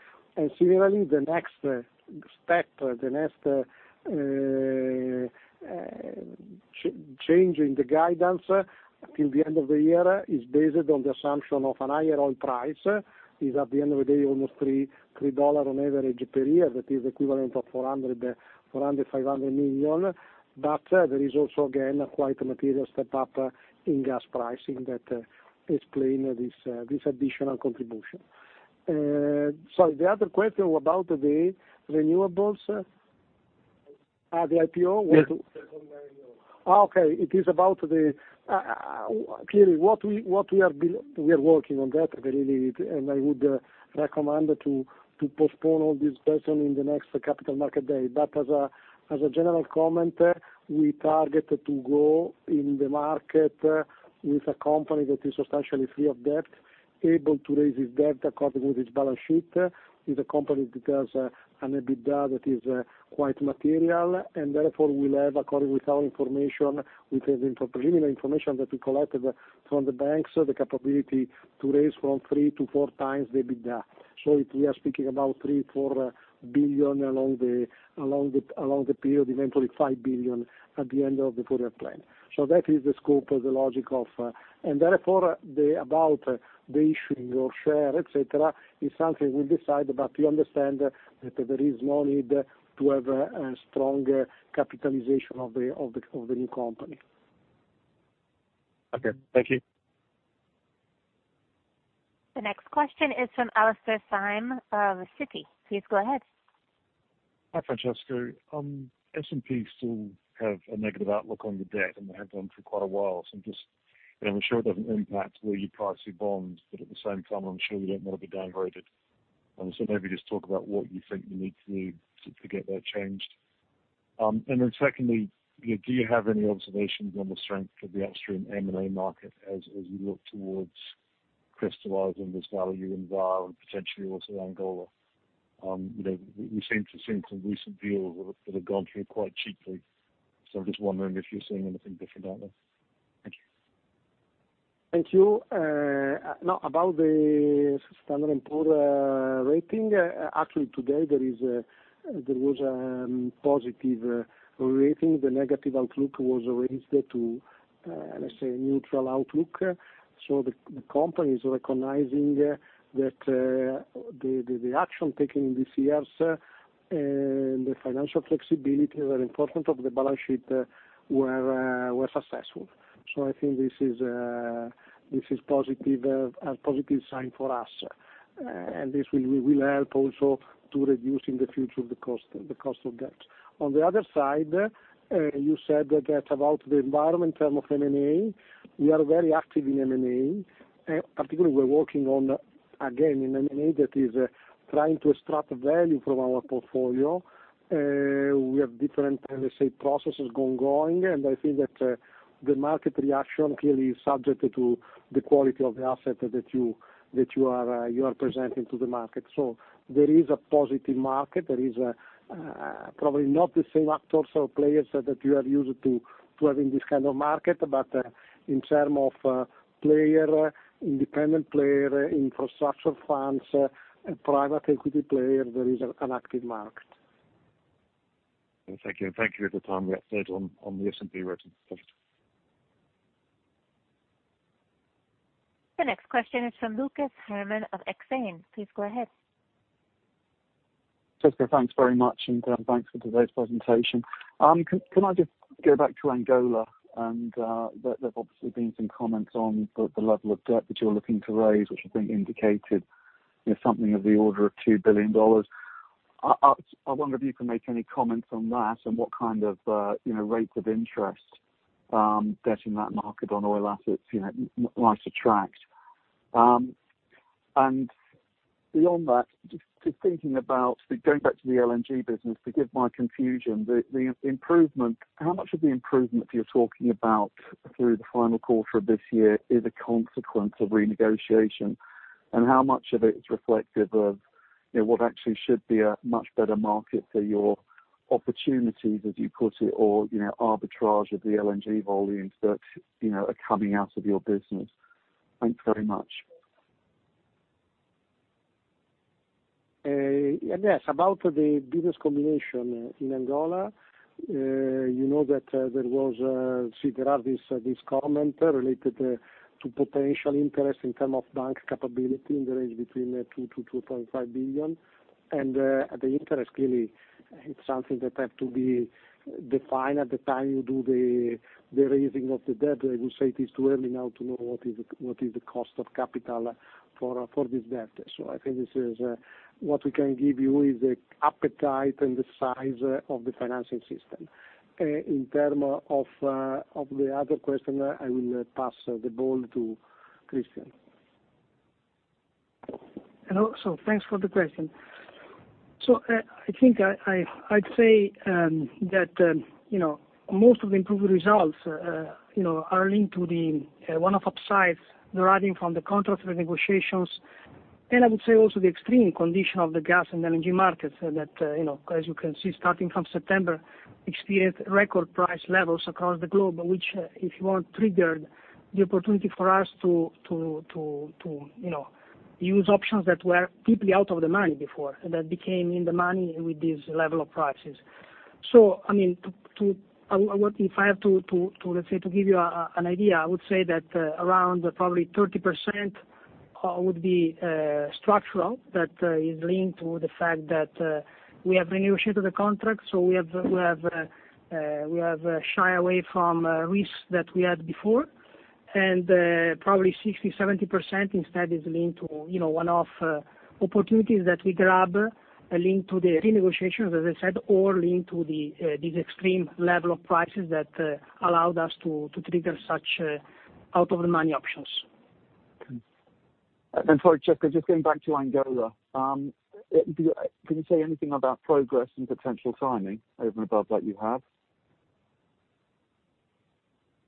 S2: Similarly, the next step, the next change in the guidance until the end of the year is based on the assumption of a higher oil price, is at the end of the day, almost $3 on average per year. That is equivalent of $400-$500 million. There is also again, quite a material step up in gas pricing that explain this additional contribution. Sorry, the other question was about the renewables? The IPO? What?
S16: Yes.
S2: Okay. It is about the clearly what we are working on that really, and I would recommend to postpone all this question in the next capital market day. As a general comment, we target to grow in the market with a company that is substantially free of debt, able to raise its debt according with its balance sheet. It is a company that has an EBITDA that is quite material. Therefore, we will have, according with our information, we have the preliminary information that we collected from the banks, the capability to raise from 3 to 4x the EBITDA. We are speaking about 3 billion-4 billion along the period, eventually 5 billion at the end of the four-year plan. That is the scope, the logic of. Therefore, about the issuing of shares, et cetera, is something we decide, but you understand that there is no need to have a strong capitalization of the new company.
S16: Okay. Thank you.
S1: The next question is from Alastair Syme of Citi. Please go ahead.
S17: Hi, Francesco. S&P still have a negative outlook on the debt, and they have done for quite a while. I'm sure it doesn't impact where you price your bonds, but at the same time, I'm sure you don't want to be downgraded. Maybe just talk about what you think you need to do to get that changed. Secondly, do you have any observations on the strength of the upstream M&A market as you look towards crystallizing this value in Vale and potentially also Angola? You know, we seem to have seen some recent deals that have gone through quite cheaply. I'm just wondering if you're seeing anything different out there. Thank you.
S2: Thank you. No, about the Standard & Poor's rating, actually today there was a positive rating. The negative outlook was raised to, let's say, neutral outlook. The company is recognizing that the action taken in these years and the financial flexibility were important of the balance sheet were successful. I think this is positive, a positive sign for us. This will help also to reducing the future of the cost, the cost of debt. On the other side, you said that about the environment in term of M&A, we are very active in M&A. Particularly, we're working on, again, in M&A that is trying to extract value from our portfolio. We have different, let me say, processes going. I think that the market reaction clearly is subject to the quality of the asset that you are presenting to the market. There is a positive market. There is probably not the same actors or players that you are used to having this kind of market, but in terms of player, independent player, infrastructure funds, and private equity player, there is an active market.
S17: Thank you. Thank you for the time you updated on the S&P rating. Thank you.
S1: The next question is from Lucas Herrmann of Exane. Please go ahead.
S18: Cesco, thanks very much, and thanks for today's presentation. Can I just go back to Angola and there's obviously been some comments on the level of debt that you're looking to raise, which I think indicated, you know, something of the order of $2 billion. I wonder if you can make any comments on that and what kind of, you know, rates of interest debt in that market on oil assets, you know, might attract. And beyond that, just thinking about going back to the LNG business, forgive my confusion, the improvement, how much of the improvement you're talking about through the final quarter of this year is a consequence of renegotiation? How much of it is reflective of, you know, what actually should be a much better market for your opportunities, as you put it, or, you know, arbitrage of the LNG volumes that, you know, are coming out of your business? Thanks very much.
S2: Yes. About the business combination in Angola, you know that there are these comments related to potential interest in terms of bank capability in the range between 2 billion-2.5 billion. The interest clearly it's something that have to be defined at the time you do the raising of the debt. I would say it is too early now to know what is the cost of capital for this debt. I think this is what we can give you is the appetite and the size of the financing system. In terms of the other question, I will pass the ball to Cristian.
S4: Hello. Thanks for the question. I think I'd say that you know most of the improved results you know are linked to the one-off upsides deriving from the contract renegotiations. I would say also the extreme condition of the gas and LNG markets that you know as you can see starting from September experienced record price levels across the globe, which if you want triggered the opportunity for us to you know use options that were deeply out of the money before that became in the money with these level of prices. I mean to. If I have to let's say to give you an idea, I would say that around probably 30% would be structural that is linked to the fact that we have renegotiated the contract. We have shied away from risk that we had before. Probably 60%-70% instead is linked to, you know, one-off opportunities that we grab linked to the renegotiations, as I said, or linked to this extreme level of prices that allowed us to trigger such out of the money options.
S18: Sorry, Cesco, just going back to Angola. Can you say anything about progress and potential timing over and above what you have?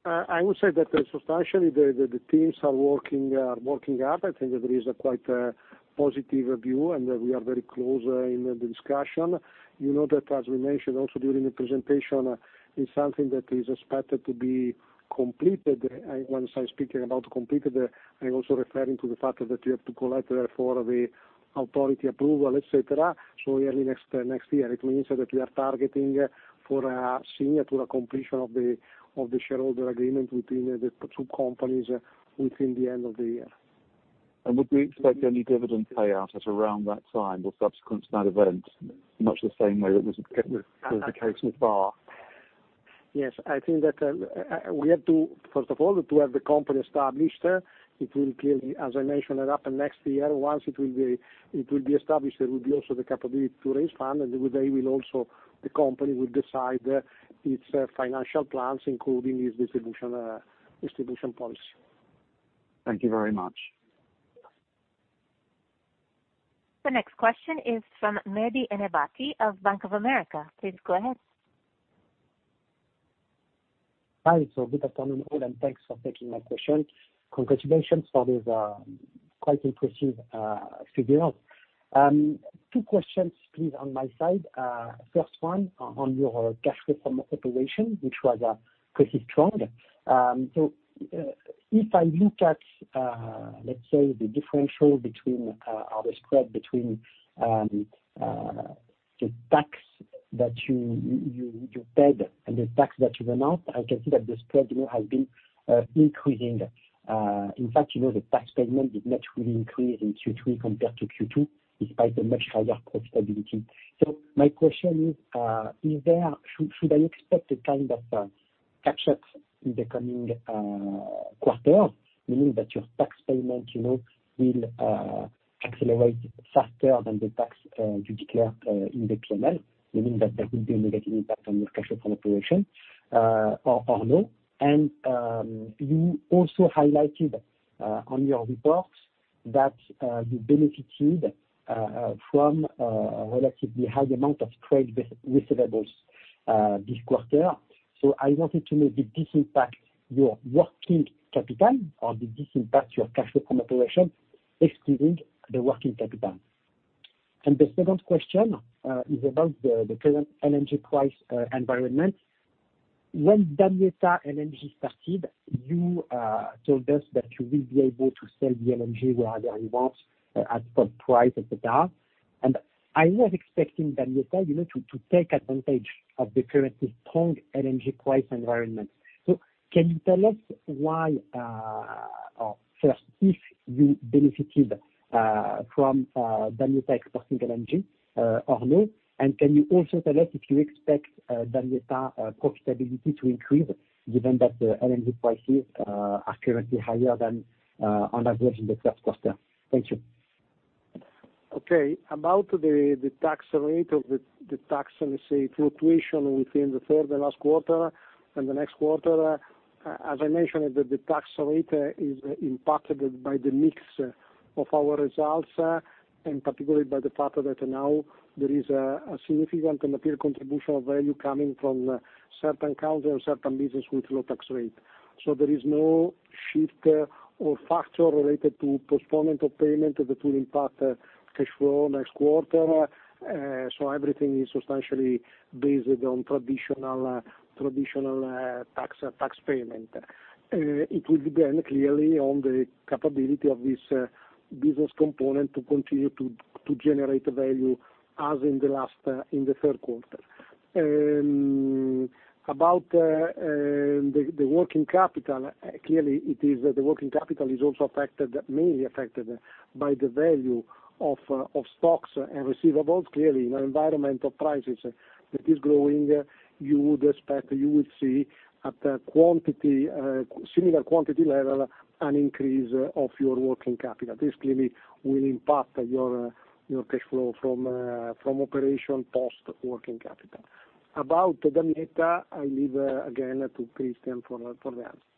S2: I would say that substantially the teams are working up. I think there is quite a positive view, and we are very close in the discussion. You know that as we mentioned also during the presentation, it is something that is expected to be completed. When I'm speaking about completed, I'm also referring to the fact that you have to collect the authority approval, et cetera. Early next year. It means that we are targeting for a signature, a completion of the shareholder agreement between the two companies within the end of the year.
S18: Would we expect any dividend payout at around that time or subsequent to that event? Much the same way it was with the case with BP.
S2: Yes. I think that we have to, first of all, to have the company established. It will clearly, as I mentioned, happen next year. Once it will be established, there will be also the capability to raise funds, and the company will decide its financial plans, including its distribution policy.
S18: Thank you very much.
S1: The next question is from Mehdi Ennebati of Bank of America. Please go ahead.
S19: Hi. Good afternoon all, and thanks for taking my question. Congratulations for this quite impressive figures. Two questions please on my side. First one on your cash flow from operation, which was pretty strong. If I look at, let's say, the differential between, or the spread between, the tax that you paid and the tax that you announced, I can see that the spread, you know, has been increasing. In fact, you know, the tax payment did not really increase in Q3 compared to Q2, despite the much higher profitability. My question is, should I expect the kind of catch up in the coming quarter, meaning that your tax payment, you know, will accelerate faster than the tax you declare in the P&L? Meaning that there will be a negative impact on your cash flow from operation. You also highlighted on your reports that you benefited from a relatively high amount of trade receivables this quarter. I wanted to know, did this impact your working capital or did this impact your cash flow from operation, excluding the working capital? The second question is about the current LNG price environment. When Damietta LNG started, you told us that you will be able to sell the LNG where they want at spot price of the gas. I was expecting Damietta, you know, to take advantage of the currently strong LNG price environment. Can you tell us why, or first, if you benefited from Damietta exporting LNG. Can you also tell us if you expect Damietta profitability to increase given that the LNG prices are currently higher than on average in the past quarter? Thank you.
S2: Okay. About the tax rate, let's say, fluctuation within the third and last quarter and the next quarter, as I mentioned, the tax rate is impacted by the mix of our results, and particularly by the fact that now there is a significant and material contribution of value coming from certain countries and certain business with low tax rate. There is no shift or factor related to postponement of payment that will impact cash flow next quarter. Everything is substantially based on traditional tax payment. It will depend clearly on the capability of this business component to continue to generate value as in the last in the Q3. About the working capital, clearly it is also affected, mainly affected by the value of stocks and receivables. Clearly, in an environment of prices that is growing, you would see at a similar quantity level an increase of your working capital. This clearly will impact your cash flow from operation post working capital. About Damietta, I leave again to Cristian for the answer.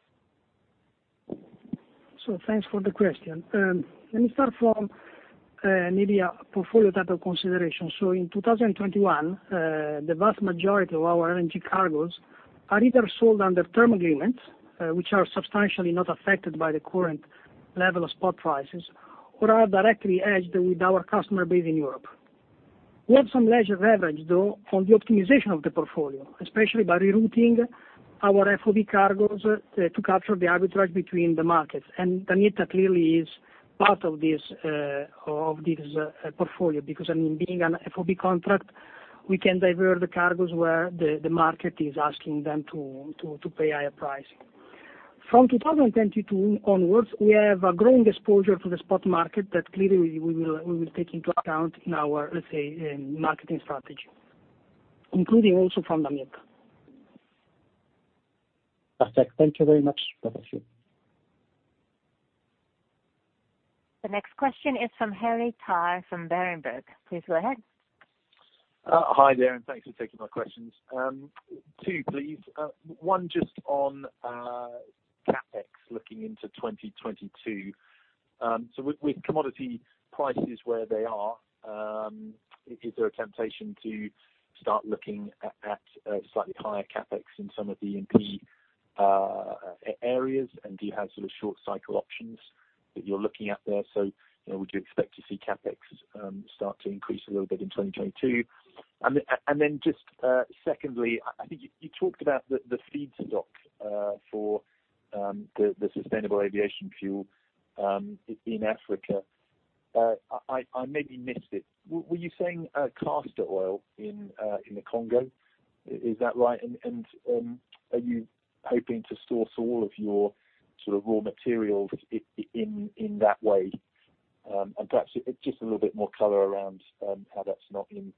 S4: Thanks for the question. Let me start from maybe a portfolio type of consideration. In 2021, the vast majority of our LNG cargoes are either sold under term agreements, which are substantially not affected by the current level of spot prices, or are directly hedged with our customer base in Europe. We have some leverage, though, from the optimization of the portfolio, especially by rerouting our FOB cargoes to capture the arbitrage between the markets. Damietta clearly is part of this portfolio, because I mean, being an FOB contract, we can divert the cargoes where the market is asking them to pay higher price. From 2022 onwards, we have a growing exposure to the spot market that clearly we will take into account in our, let's say, marketing strategy, including also from Damietta.
S19: Perfect. Thank you very much.
S1: The next question is from Henry Tarr from Berenberg. Please go ahead.
S20: Hi there, and thanks for taking my questions. Two please. One just on CapEx looking into 2022. So with commodity prices where they are, is there a temptation to start looking at slightly higher CapEx in some of the E&P areas? And do you have sort of short cycle options that you're looking at there? You know, would you expect to see CapEx start to increase a little bit in 2022? And then just secondly, I think you talked about the feedstock for the sustainable aviation fuel in Africa. I maybe missed it. Were you saying castor oil in the Congo? Is that right? Are you hoping to source all of your sort of raw materials in that way? Perhaps just a little bit more color around how that's not being,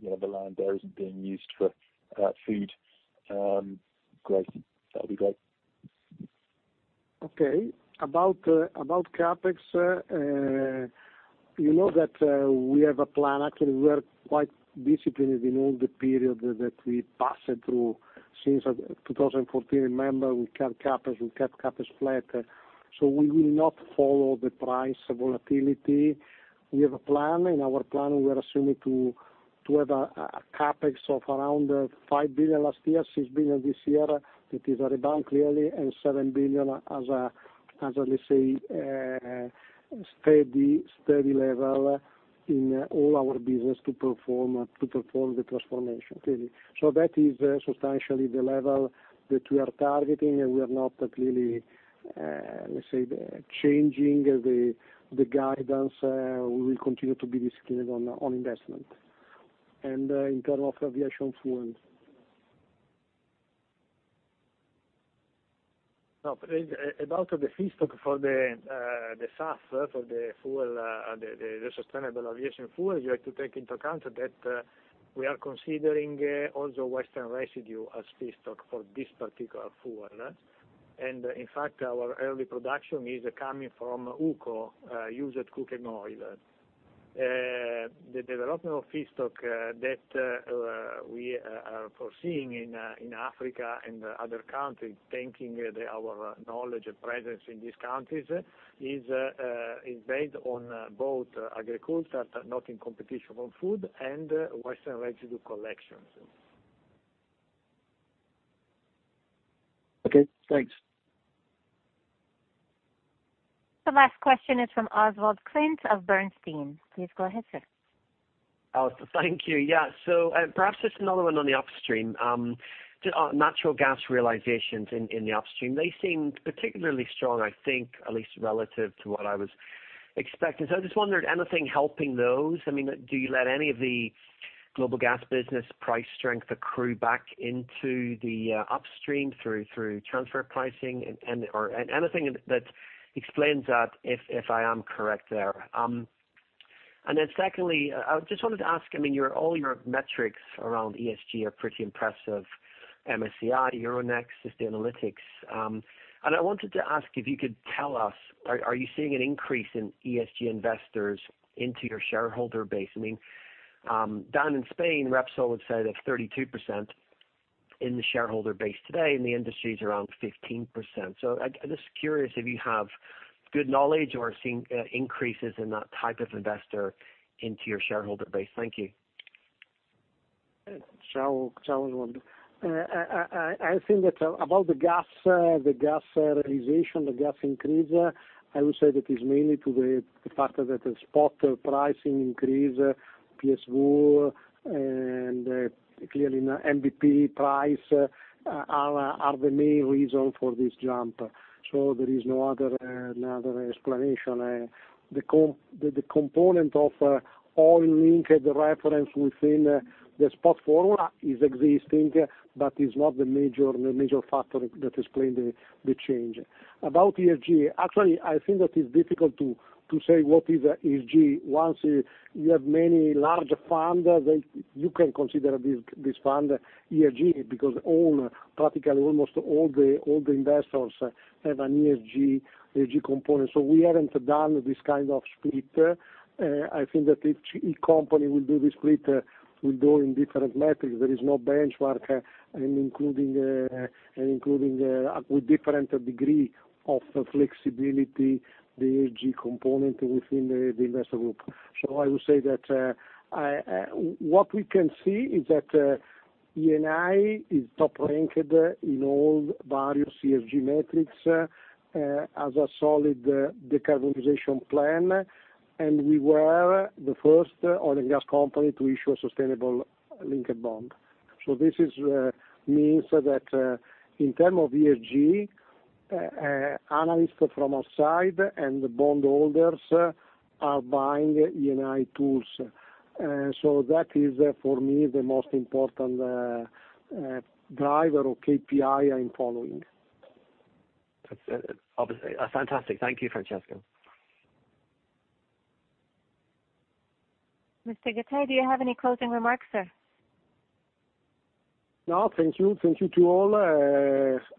S20: you know, the land there isn't being used for food. Great. That'll be great.
S2: Okay. About CapEx, you know that we have a plan. Actually, we are quite disciplined in all the period that we passed through since 2014. Remember, we cut CapEx, we kept CapEx flat. We will not follow the price volatility. We have a plan. In our plan, we are assuming to have a CapEx of around 5 billion last year, 6 billion this year. It is a rebound, clearly, and 7 billion as a, let's say, steady level in all our business to perform the transformation, clearly. That is substantially the level that we are targeting, and we are not clearly, let's say, changing the guidance. We will continue to be disciplined on investment. In terms of aviation fuel? No, about the feedstock for the SAF, for the fuel, the sustainable aviation fuel, you have to take into account that we are considering also western residue as feedstock for this particular fuel. In fact, our early production is coming from UCO, used cooking oil. The development of feedstock that we are foreseeing in Africa and other countries, taking our knowledge and presence in these countries is based on both agriculture, not in competition for food, and western residue collections.
S20: Okay, thanks.
S1: The last question is from Oswald Clint of Bernstein. Please go ahead, sir.
S21: Oswald, thank you. Yeah, perhaps just another one on the upstream. Natural gas realizations in the upstream, they seem particularly strong, I think, at least relative to what I was expecting. I just wondered anything helping those? I mean, do you let any of the global gas business price strength accrue back into the upstream through transfer pricing? Or anything that explains that if I am correct there. And then secondly, I just wanted to ask, I mean, all your metrics around ESG are pretty impressive, MSCI, Euronext, Sustainalytics. And I wanted to ask if you could tell us, are you seeing an increase in ESG investors into your shareholder base? I mean, down in Spain, Repsol would say they have 32% in the shareholder base today, and the industry is around 15%. I'm just curious if you have good knowledge or are seeing increases in that type of investor into your shareholder base. Thank you.
S2: Sure. Sure, Oswald. I think that about the gas realization, the gas increase, I would say that is mainly to the fact that the spot pricing increase, PSV, and clearly NBP price are the main reason for this jump. There is no other explanation. The component of oil-linked reference within the spot formula is existing, but is not the major factor that explain the change. About ESG, actually, I think that is difficult to say what is ESG. Once you have many large fund, then you can consider this fund ESG because practically almost all the investors have an ESG component. We haven't done this kind of split. I think that each company will do the split, will go in different metrics. There is no benchmark, including with different degree of flexibility the ESG component within the investor group. I would say that what we can see is that Eni is top-ranked in all various ESG metrics, has a solid decarbonization plan, and we were the first oil and gas company to issue a sustainable linked bond. This means that in terms of ESG, analysts from outside and bondholders are buying Eni tools. That is, for me, the most important driver or KPI I'm following.
S21: That's obviously fantastic. Thank you, Francesco.
S1: Mr. Gattei, do you have any closing remarks, sir?
S2: No. Thank you. Thank you to all.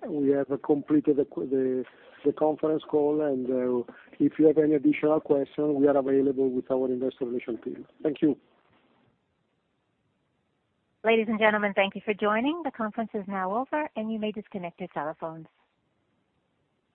S2: We have completed the conference call. If you have any additional questions, we are available with our investor relations team. Thank you.
S1: Ladies and gentlemen, thank you for joining. The conference is now over, and you may disconnect your telephones.